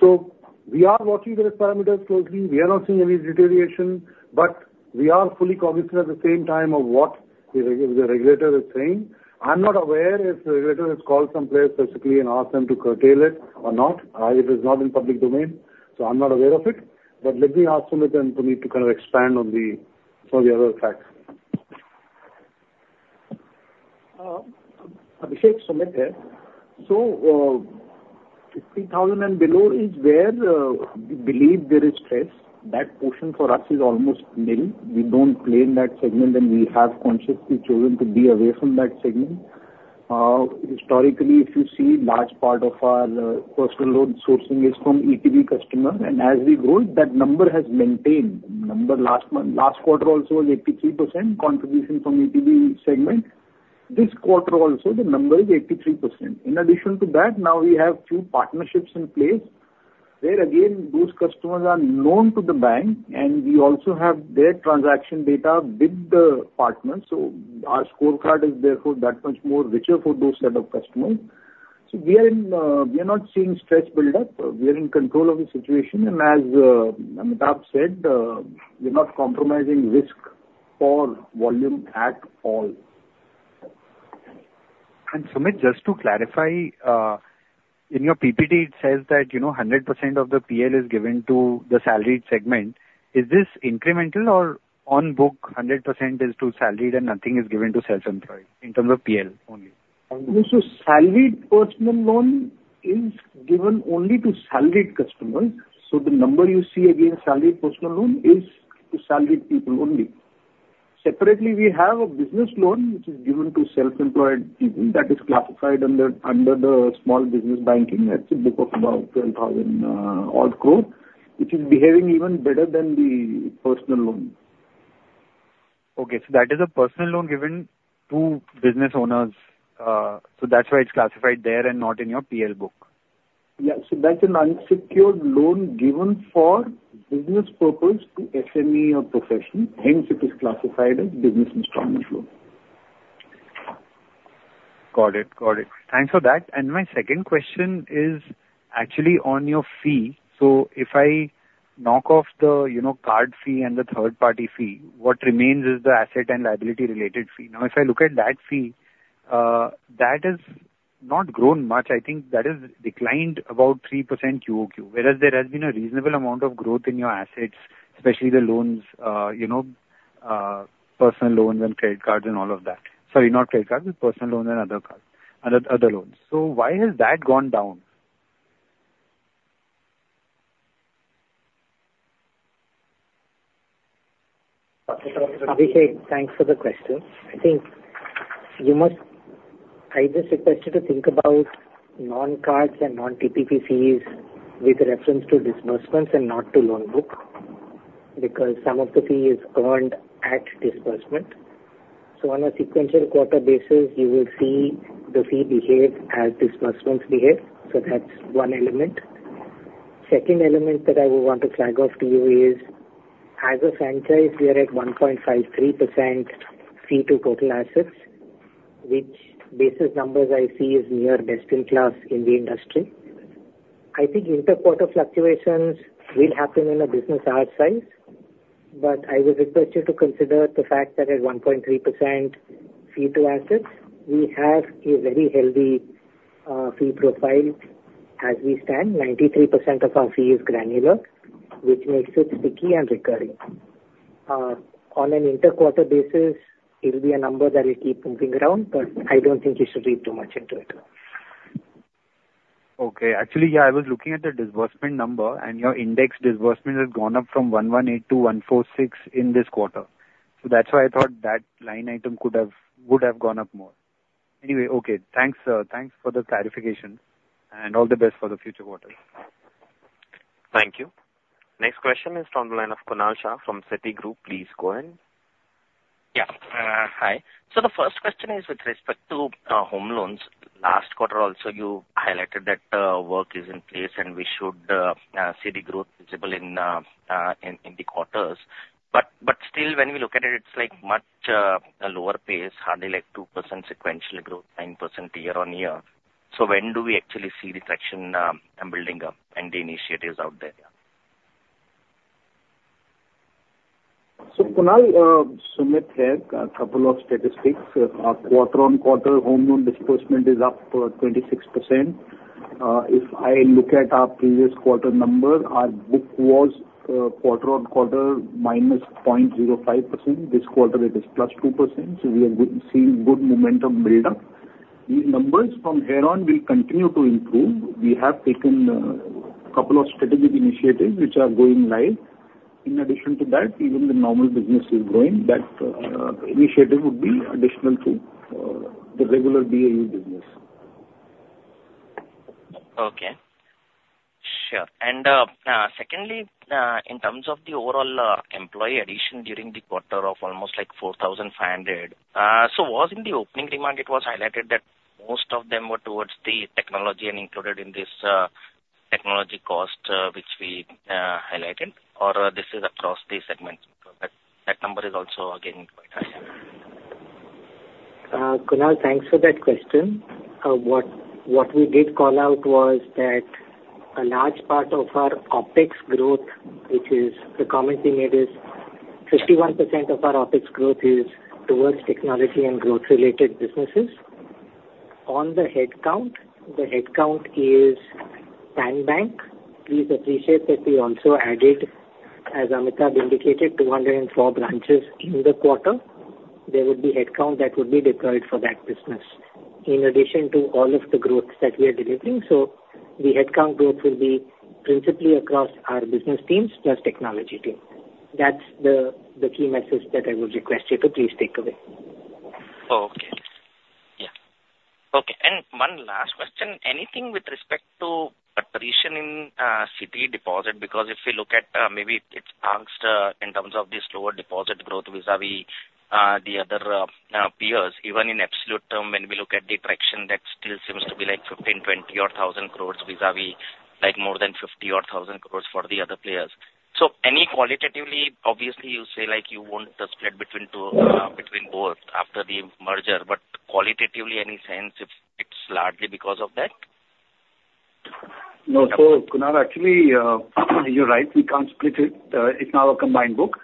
So we are watching the risk parameters closely. We are not seeing any deterioration, but we are fully cognizant at the same time of what the regulator is saying. I'm not aware if the regulator has called some players specifically and asked them to curtail it or not. It is not in public domain, so I'm not aware of it. Let me ask Sumit and Puneet to kind of expand on the, some of the other facts. Abhishek, Sumit here. So, 50,000 and below is where we believe there is stress. That portion for us is almost nil. We don't play in that segment, and we have consciously chosen to be away from that segment. Historically, if you see, large part of our personal loan sourcing is from ETB customer, and as we grow, that number has maintained. Number last month, last quarter also was 83% contribution from ETB segment. This quarter also, the number is 83%. In addition to that, now we have two partnerships in place, where, again, those customers are known to the bank, and we also have their transaction data with the partners, so our scorecard is therefore that much more richer for those set of customers. So we are in. We are not seeing stress build up. We are in control of the situation, and as Amitabh said, we're not compromising risk or volume at all. Sumit, just to clarify, in your PPT, it says that, you know, 100% of the PL is given to the salaried segment. Is this incremental or on book, 100% is to salaried and nothing is given to self-employed in terms of PL only? So salaried personal loan is given only to salaried customers, so the number you see against salaried personal loan is to salaried people only. Separately, we have a business loan which is given to self-employed people that is classified under, under the small business banking. That's a book of about 10,000 crore, which is behaving even better than the personal loan. Okay, so that is a personal loan given to business owners, so that's why it's classified there and not in your PL book? Yeah. So that's an unsecured loan given for business purpose to SME or profession, hence it is classified as business installment loan. Got it. Got it. Thanks for that. And my second question is actually on your fee. So if I knock off the, you know, card fee and the third-party fee, what remains is the asset and liability related fee. Now, if I look at that fee, that has not grown much. I think that has declined about 3% QOQ, whereas there has been a reasonable amount of growth in your assets, especially the loans, you know, personal loans and credit cards and all of that. Sorry, not credit cards, but personal loans and other cards, and other loans. So why has that gone down? Abhishek, thanks for the question. I think you must... I just request you to think about non-cards and non-TPP fees with reference to disbursements and not to loan book, because some of the fee is earned at disbursement. So on a sequential quarter basis, you will see the fee behave as disbursements behave, so that's one element. Second element that I would want to flag off to you is, as a franchise, we are at 1.53% fee to total assets, which basis numbers I see is near best in class in the industry. I think interquarter fluctuations will happen in a business our size, but I would request you to consider the fact that at 1.3% fee to assets, we have a very healthy, fee profile as we stand. 93% of our fee is granular, which makes it sticky and recurring. On an interquarter basis, it'll be a number that will keep moving around, but I don't think you should read too much into it. Okay. Actually, yeah, I was looking at the disbursement number, and your index disbursement has gone up from 118 to 146 in this quarter. So that's why I thought that line item could have, would have gone up more. Anyway, okay. Thanks, thanks for the clarification, and all the best for the future quarters. Thank you. Next question is from the line of Kunal Shah from Citigroup. Please go ahead. Yeah. Hi. So the first question is with respect to home loans. Last quarter also, you highlighted that work is in place, and we should see the growth visible in the quarters. But still, when we look at it, it's like much a lower pace, hardly like 2% sequential growth, 9% year-on-year. So when do we actually see the traction and building up and the initiatives out there? So Kunal, Sumit here. A couple of statistics. Our quarter on quarter home loan disbursement is up 26%. If I look at our previous quarter number, our book was quarter on quarter -0.05%. This quarter it is +2%, so we are good, seeing good momentum build up. These numbers from here on will continue to improve. We have taken a couple of strategic initiatives which are going live. In addition to that, even the normal business is growing. That initiative would be additional to the regular BAU business. Okay. Sure. And secondly, in terms of the overall employee addition during the quarter of almost like 4,500, so was in the opening demand, it was highlighted that most of them were towards the technology and included in this technology cost, which we highlighted? Or this is a- Kunal, thanks for that question. What, what we did call out was that a large part of our OpEx growth, which is the comment we made, is 51% of our OpEx growth is towards technology and growth-related businesses. On the headcount, the headcount is Pan Bank. Please appreciate that we also added, as Amitabh indicated, 204 branches in the quarter. There would be headcount that would be deployed for that business, in addition to all of the growth that we are delivering. So the headcount growth will be principally across our business teams plus technology team. That's the key message that I would request you to please take away. Oh, okay. Yeah. Okay, and one last question. Anything with respect to attrition in Citi deposit? Because if you look at, maybe it's angst, in terms of this lower deposit growth vis-a-vis the other peers. Even in absolute term, when we look at the traction, that still seems to be, like, 15 crore-20 crore or 1,000 crore vis-a-vis, like, more than 50 crore or 1,000 crore for the other players. So any qualitatively, obviously, you say, like, you won't split between two, between both after the merger, but qualitatively, any sense if it's largely because of that? No. So, Kunal, actually, you're right, we can't split it. It's now a combined book.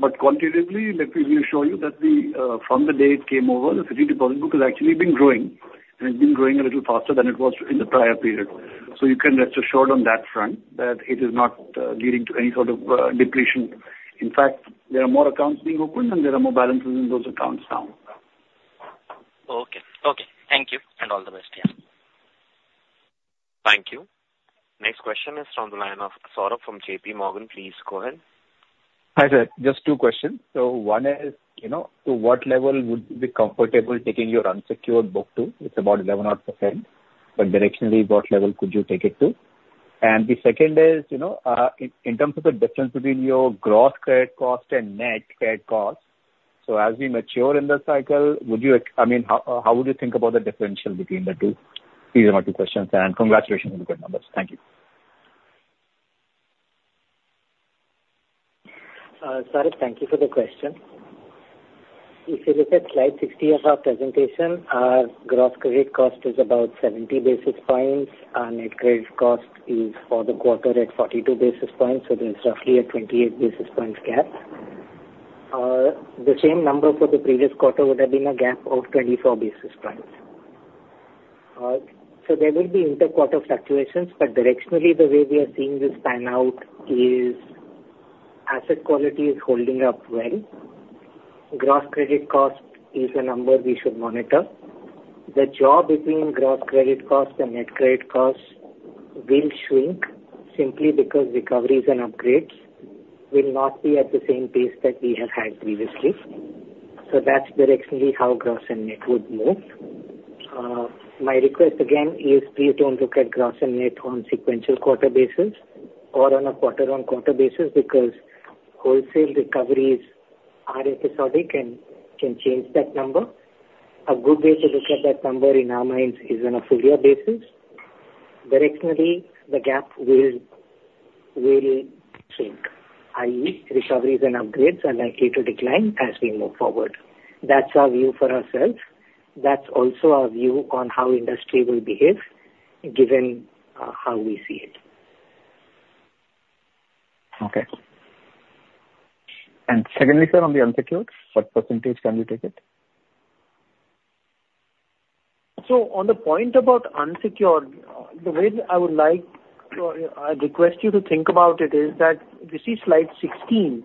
But quantitatively, let me reassure you that the, from the day it came over, the Citi deposit book has actually been growing, and it's been growing a little faster than it was in the prior period. So you can rest assured on that front, that it is not, leading to any sort of, depletion. In fact, there are more accounts being opened, and there are more balances in those accounts now. Okay. Okay, thank you, and all the best. Yeah. Thank you. Next question is from the line of Saurabh from JP Morgan. Please go ahead. Hi there. Just two questions. So one is, you know, to what level would you be comfortable taking your unsecured book to? It's about 11 odd %, but directionally, what level could you take it to? And the second is, you know, in terms of the difference between your gross credit cost and net credit cost, so as we mature in the cycle, would you I mean, how would you think about the differential between the two? These are my two questions, and congratulations on the good numbers. Thank you. Saurabh, thank you for the question. If you look at slide 60 of our presentation, our gross credit cost is about 70 basis points, our net credit cost is for the quarter at 42 basis points, so there's roughly a 28 basis points gap. The same number for the previous quarter would have been a gap of 24 basis points. So there will be inter-quarter fluctuations, but directionally, the way we are seeing this pan out is asset quality is holding up well. Gross credit cost is a number we should monitor. The jaw between gross credit costs and net credit costs will shrink simply because recoveries and upgrades will not be at the same pace that we have had previously. So that's directionally how gross and net would move. My request again is please don't look at gross and net on sequential quarter basis or on a quarter-over-quarter basis, because wholesale recoveries are episodic and can change that number. A good way to look at that number in our minds is on a full year basis. Directionally, the gap will shrink, i.e., recoveries and upgrades are likely to decline as we move forward. That's our view for ourselves. That's also our view on how industry will behave, given how we see it. Okay. And secondly, sir, on the unsecured, what percentage can we take it? So on the point about unsecured, the way that I would like, or I request you to think about it is that, this is slide 16.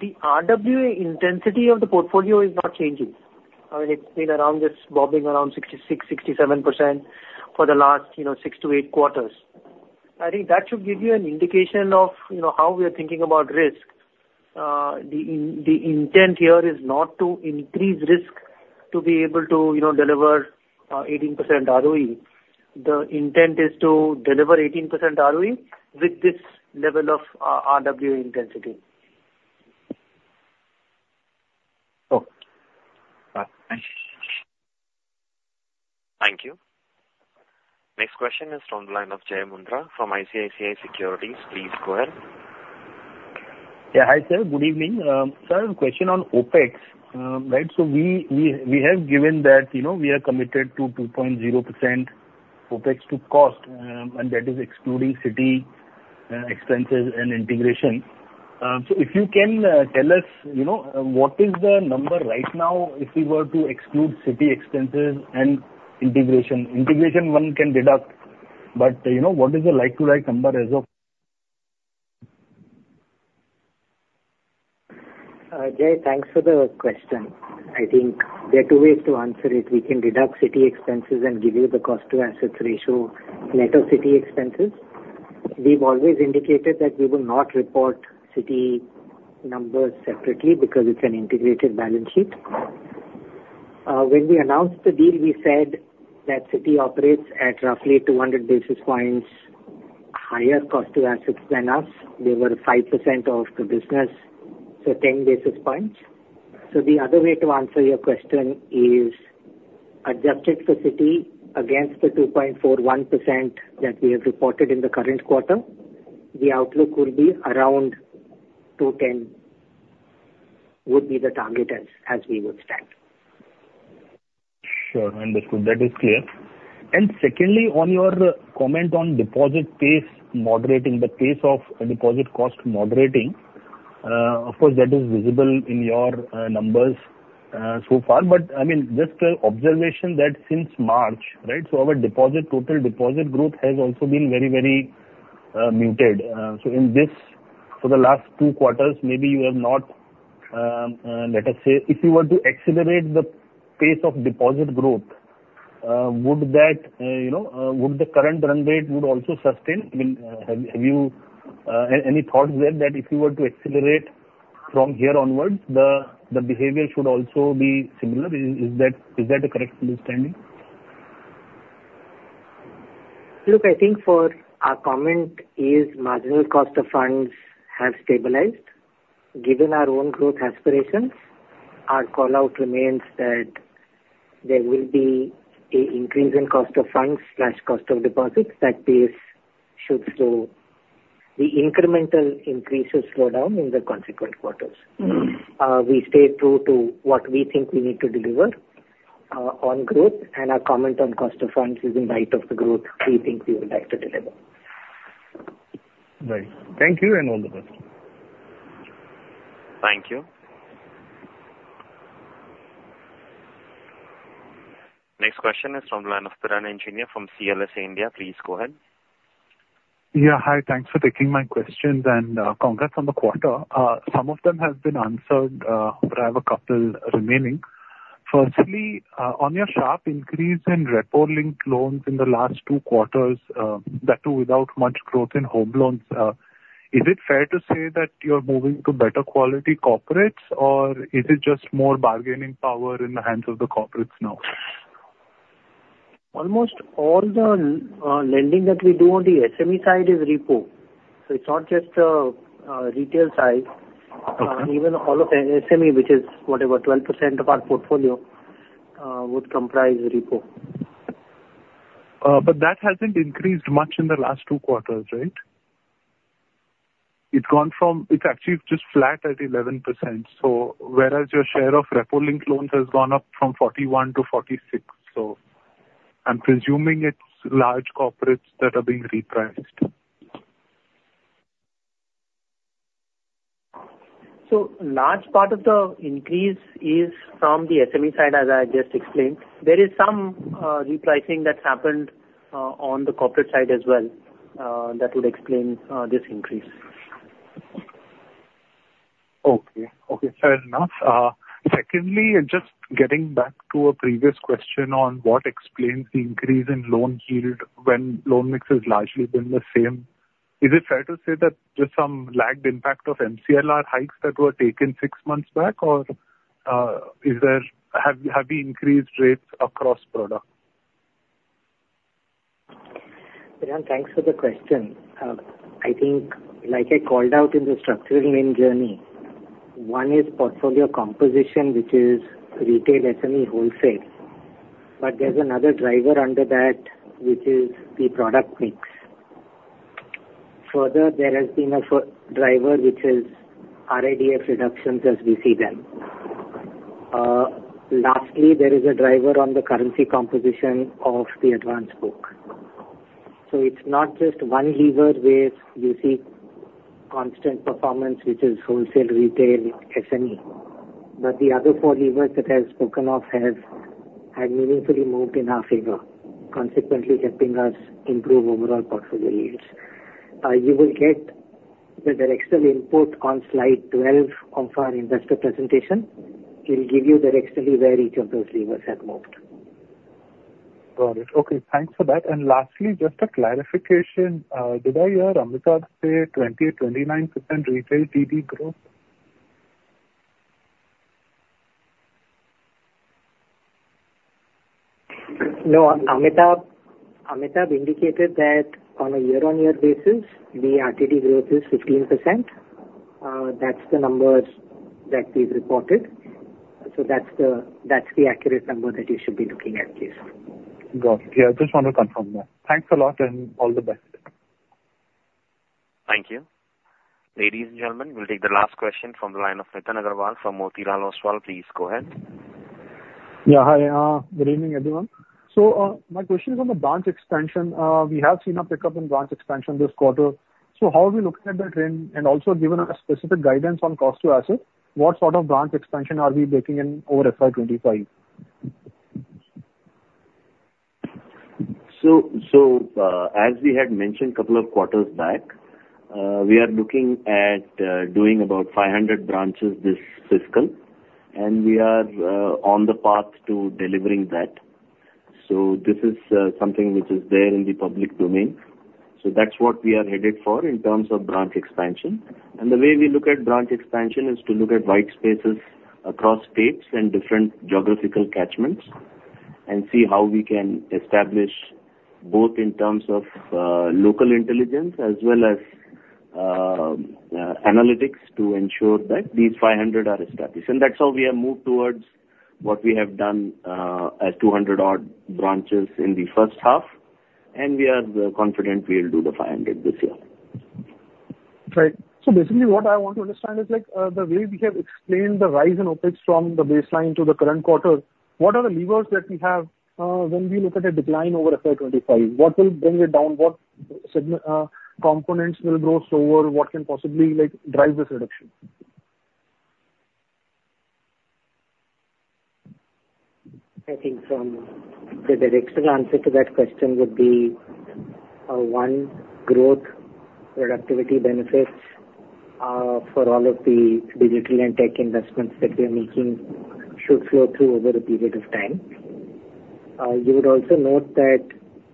The RWA intensity of the portfolio is not changing. I mean, it's been around, it's bobbing around 66%-67% for the last, you know, 6-8 quarters. I think that should give you an indication of, you know, how we are thinking about risk. The intent here is not to increase risk to be able to, you know, deliver, 18% ROE. The intent is to deliver 18% ROE with this level of, RWA intensity. Okay. Thank you. Thank you. Next question is from the line of Jai Mundhra from ICICI Securities. Please go ahead. Yeah. Hi, sir. Good evening. Sir, a question on OpEx. Right, so we, we, we have given that, you know, we are committed to 2.0% OpEx to cost, and that is excluding Citi expenses and integration. So if you can tell us, you know, what is the number right now if we were to exclude Citi expenses and integration? Integration, one can deduct, but, you know, what is the like-to-like number as of...? Jai, thanks for the question. I think there are two ways to answer it. We can deduct Citi expenses and give you the cost to assets ratio net of Citi expenses. We've always indicated that we will not report Citi numbers separately, because it's an integrated balance sheet. When we announced the deal, we said that Citi operates at roughly 200 basis points higher cost to assets than us. They were 5% of the business, so 10 basis points. So the other way to answer your question is adjusted for Citi against the 2.41% that we have reported in the current quarter, the outlook will be around 2.10, would be the target as we would stand. Sure, understood. That is clear. And secondly, on your comment on deposit pace, moderating the pace of deposit cost moderating, of course, that is visible in your numbers so far. But I mean, just an observation that since March, right, so our deposit, total deposit growth has also been very, very muted. So in this, for the last two quarters, maybe you have not let us say, if you were to accelerate the pace of deposit growth, would that, you know, would the current run rate would also sustain? I mean, have you any, any thoughts there, that if you were to accelerate from here onwards, the, the behavior should also be similar? Is, is that, is that a correct understanding? Look, I think for our comment is marginal cost of funds have stabilized. Given our own growth aspirations, our call-out remains that there will be a increase in cost of funds slash cost of deposits. That pace should slow. The incremental increase will slow down in the consequent quarters. Mm-hmm. We stay true to what we think we need to deliver on growth, and our comment on cost of funds is in light of the growth we think we would like to deliver. Right. Thank you, and all the best. Thank you. Next question is from the line of Piran Engineer from CLSA India. Please go ahead. Yeah, hi. Thanks for taking my questions, and, congrats on the quarter. Some of them have been answered, but I have a couple remaining. Firstly, on your sharp increase in repo-linked loans in the last two quarters, that too without much growth in home loans, is it fair to say that you're moving to better quality corporates, or is it just more bargaining power in the hands of the corporates now? Almost all the lending that we do on the SME side is repo. So it's not just retail side. Okay. Even all of SME, which is whatever, 12% of our portfolio, would comprise repo. But that hasn't increased much in the last two quarters, right? It's gone from... It's actually just flat at 11%, so whereas your share of repo-linked loans has gone up from 41%-46%. So I'm presuming it's large corporates that are being repriced. Large part of the increase is from the SME side, as I just explained. There is some repricing that's happened on the corporate side as well, that would explain this increase. Okay. Okay, fair enough. Secondly, and just getting back to a previous question on what explains the increase in loan yield when loan mix has largely been the same? Is it fair to say that there's some lagged impact of MCLR hikes that were taken six months back, or, is there... Have you increased rates across product? Biran, thanks for the question. I think, like I called out in the structural main journey, one is portfolio composition, which is retail SME wholesale, but there's another driver under that, which is the product mix. Further, there has been a driver, which is RIDF reductions, as we see them. Lastly, there is a driver on the currency composition of the advance book. So it's not just one lever where you see constant performance, which is wholesale, retail, SME, but the other four levers that I have spoken of have meaningfully moved in our favor, consequently helping us improve overall portfolio yields. You will get the directional input on slide 12 of our investor presentation. It will give you directionally where each of those levers have moved. Got it. Okay, thanks for that. And lastly, just a clarification. Did I hear Amitabh say 20%-29% Retail TD growth? No, Amitabh, Amitabh indicated that on a year-on-year basis, the RTD growth is 15%. That's the numbers that we've reported, so that's the, that's the accurate number that you should be looking at, please. Got it. Yeah, just want to confirm that. Thanks a lot, and all the best. Thank you. Ladies and gentlemen, we'll take the last question from the line of Nitin Aggarwal from Motilal Oswal. Please go ahead. Yeah, hi, good evening, everyone. So, my question is on the branch expansion. We have seen a pickup in branch expansion this quarter. So how are we looking at the trend? And also, given a specific guidance on cost to asset, what sort of branch expansion are we making in over FY25? So, as we had mentioned a couple of quarters back, we are looking at doing about 500 branches this fiscal, and we are on the path to delivering that. So this is something which is there in the public domain. So that's what we are headed for in terms of branch expansion. And the way we look at branch expansion is to look at white spaces across states and different geographical catchments and see how we can establish-... both in terms of local intelligence as well as analytics to ensure that these 500 are established. And that's how we have moved towards what we have done at 200 odd branches in the first half, and we are confident we'll do the 500 this year. Right. So basically, what I want to understand is, like, the way we have explained the rise in OpEx from the baseline to the current quarter, what are the levers that we have, when we look at a decline over FY 2025? What will bring it down? What segment, components will grow slower? What can possibly, like, drive this reduction? I think from the direct answer to that question would be, 1, growth, productivity benefits, for all of the digital and tech investments that we are making should flow through over a period of time. You would also note that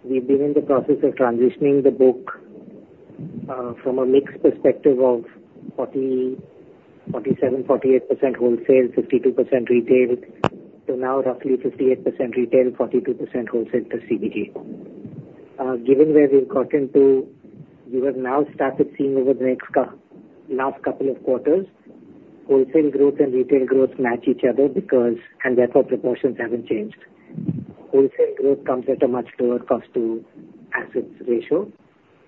we've been in the process of transitioning the book, from a mix perspective of 40, 47, 48% wholesale, 52% retail, to now roughly 58% retail, 42% wholesale to CBG. Given where we've gotten to, we have now started seeing over the last couple of quarters, wholesale growth and retail growth match each other because... and therefore, proportions haven't changed. Wholesale growth comes at a much lower cost to assets ratio,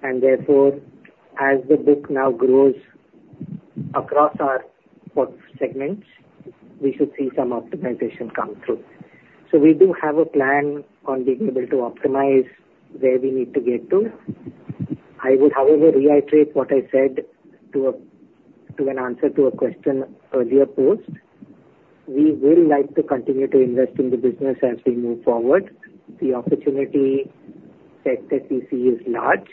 and therefore, as the book now grows across our 4 segments, we should see some optimization come through. So we do have a plan on being able to optimize where we need to get to. I would, however, reiterate what I said to an answer to a question earlier posed. We will like to continue to invest in the business as we move forward. The opportunity set that we see is large,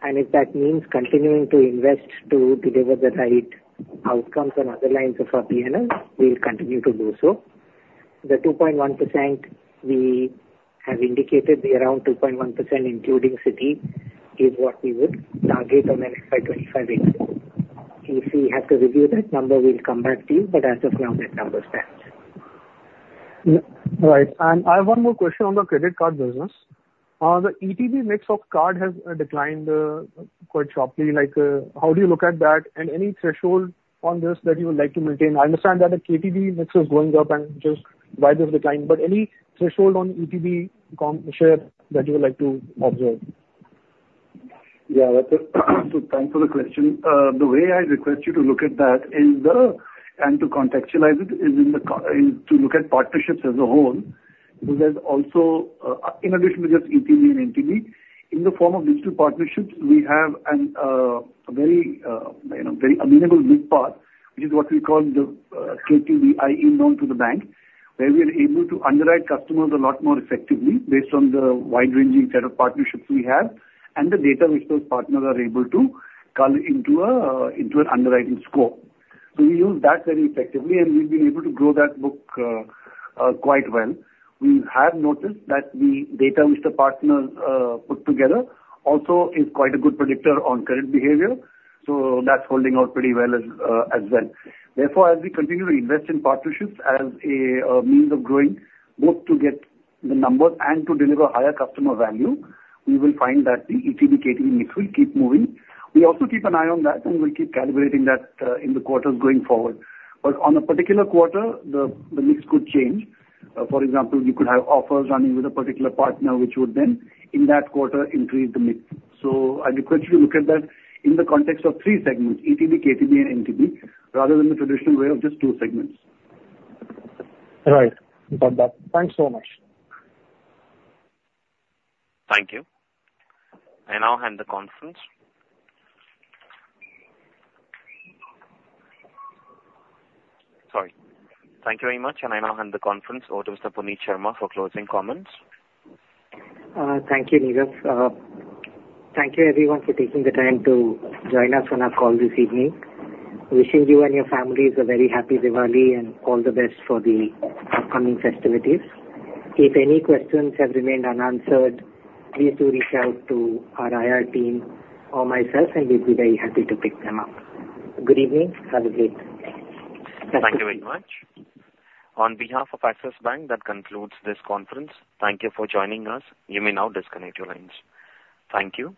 and if that means continuing to invest to deliver the right outcomes on other lines of our P&L, we'll continue to do so. The 2.1%, we have indicated around 2.1%, including Citi, is what we would target on an FY 2025 basis. If we have to review that number, we'll come back to you, but as of now, that number stands. Right. And I have one more question on the credit card business. The ETV mix of card has declined quite sharply. Like, how do you look at that? And any threshold on this that you would like to maintain? I understand that the KTB mix is going up and just why the decline, but any threshold on ETV mix share that you would like to observe? Yeah, that's... So thanks for the question. The way I request you to look at that is, and to contextualize it, is to look at partnerships as a whole, because also, in addition to just ETV and NTB, in the form of digital partnerships, we have a very, you know, very amenable mid path, which is what we call the KTB, i.e., known to the bank, where we are able to underwrite customers a lot more effectively based on the wide-ranging set of partnerships we have and the data which those partners are able to cull into an underwriting score. So we use that very effectively, and we've been able to grow that book quite well. We have noticed that the data which the partners put together also is quite a good predictor on current behavior, so that's holding out pretty well as well. Therefore, as we continue to invest in partnerships as a means of growing, both to get the numbers and to deliver higher customer value, we will find that the ETV/KTB mix will keep moving. We also keep an eye on that, and we'll keep calibrating that in the quarters going forward. But on a particular quarter, the mix could change. For example, you could have offers running with a particular partner, which would then, in that quarter, increase the mix. So I'd request you to look at that in the context of three segments, ETV, KTB, and NTB, rather than the traditional way of just two segments. Right. Got that. Thanks so much. Thank you. I now hand the conference... Sorry. Thank you very much, and I now hand the conference over to Mr. Puneet Sharma for closing comments. Thank you, Nirav. Thank you everyone for taking the time to join us on our call this evening. Wishing you and your families a very happy Diwali and all the best for the upcoming festivities. If any questions have remained unanswered, please do reach out to our IR team or myself, and we'd be very happy to pick them up. Good evening. Have a great day. Thank you very much. On behalf of Axis Bank, that concludes this conference. Thank you for joining us. You may now disconnect your lines. Thank you.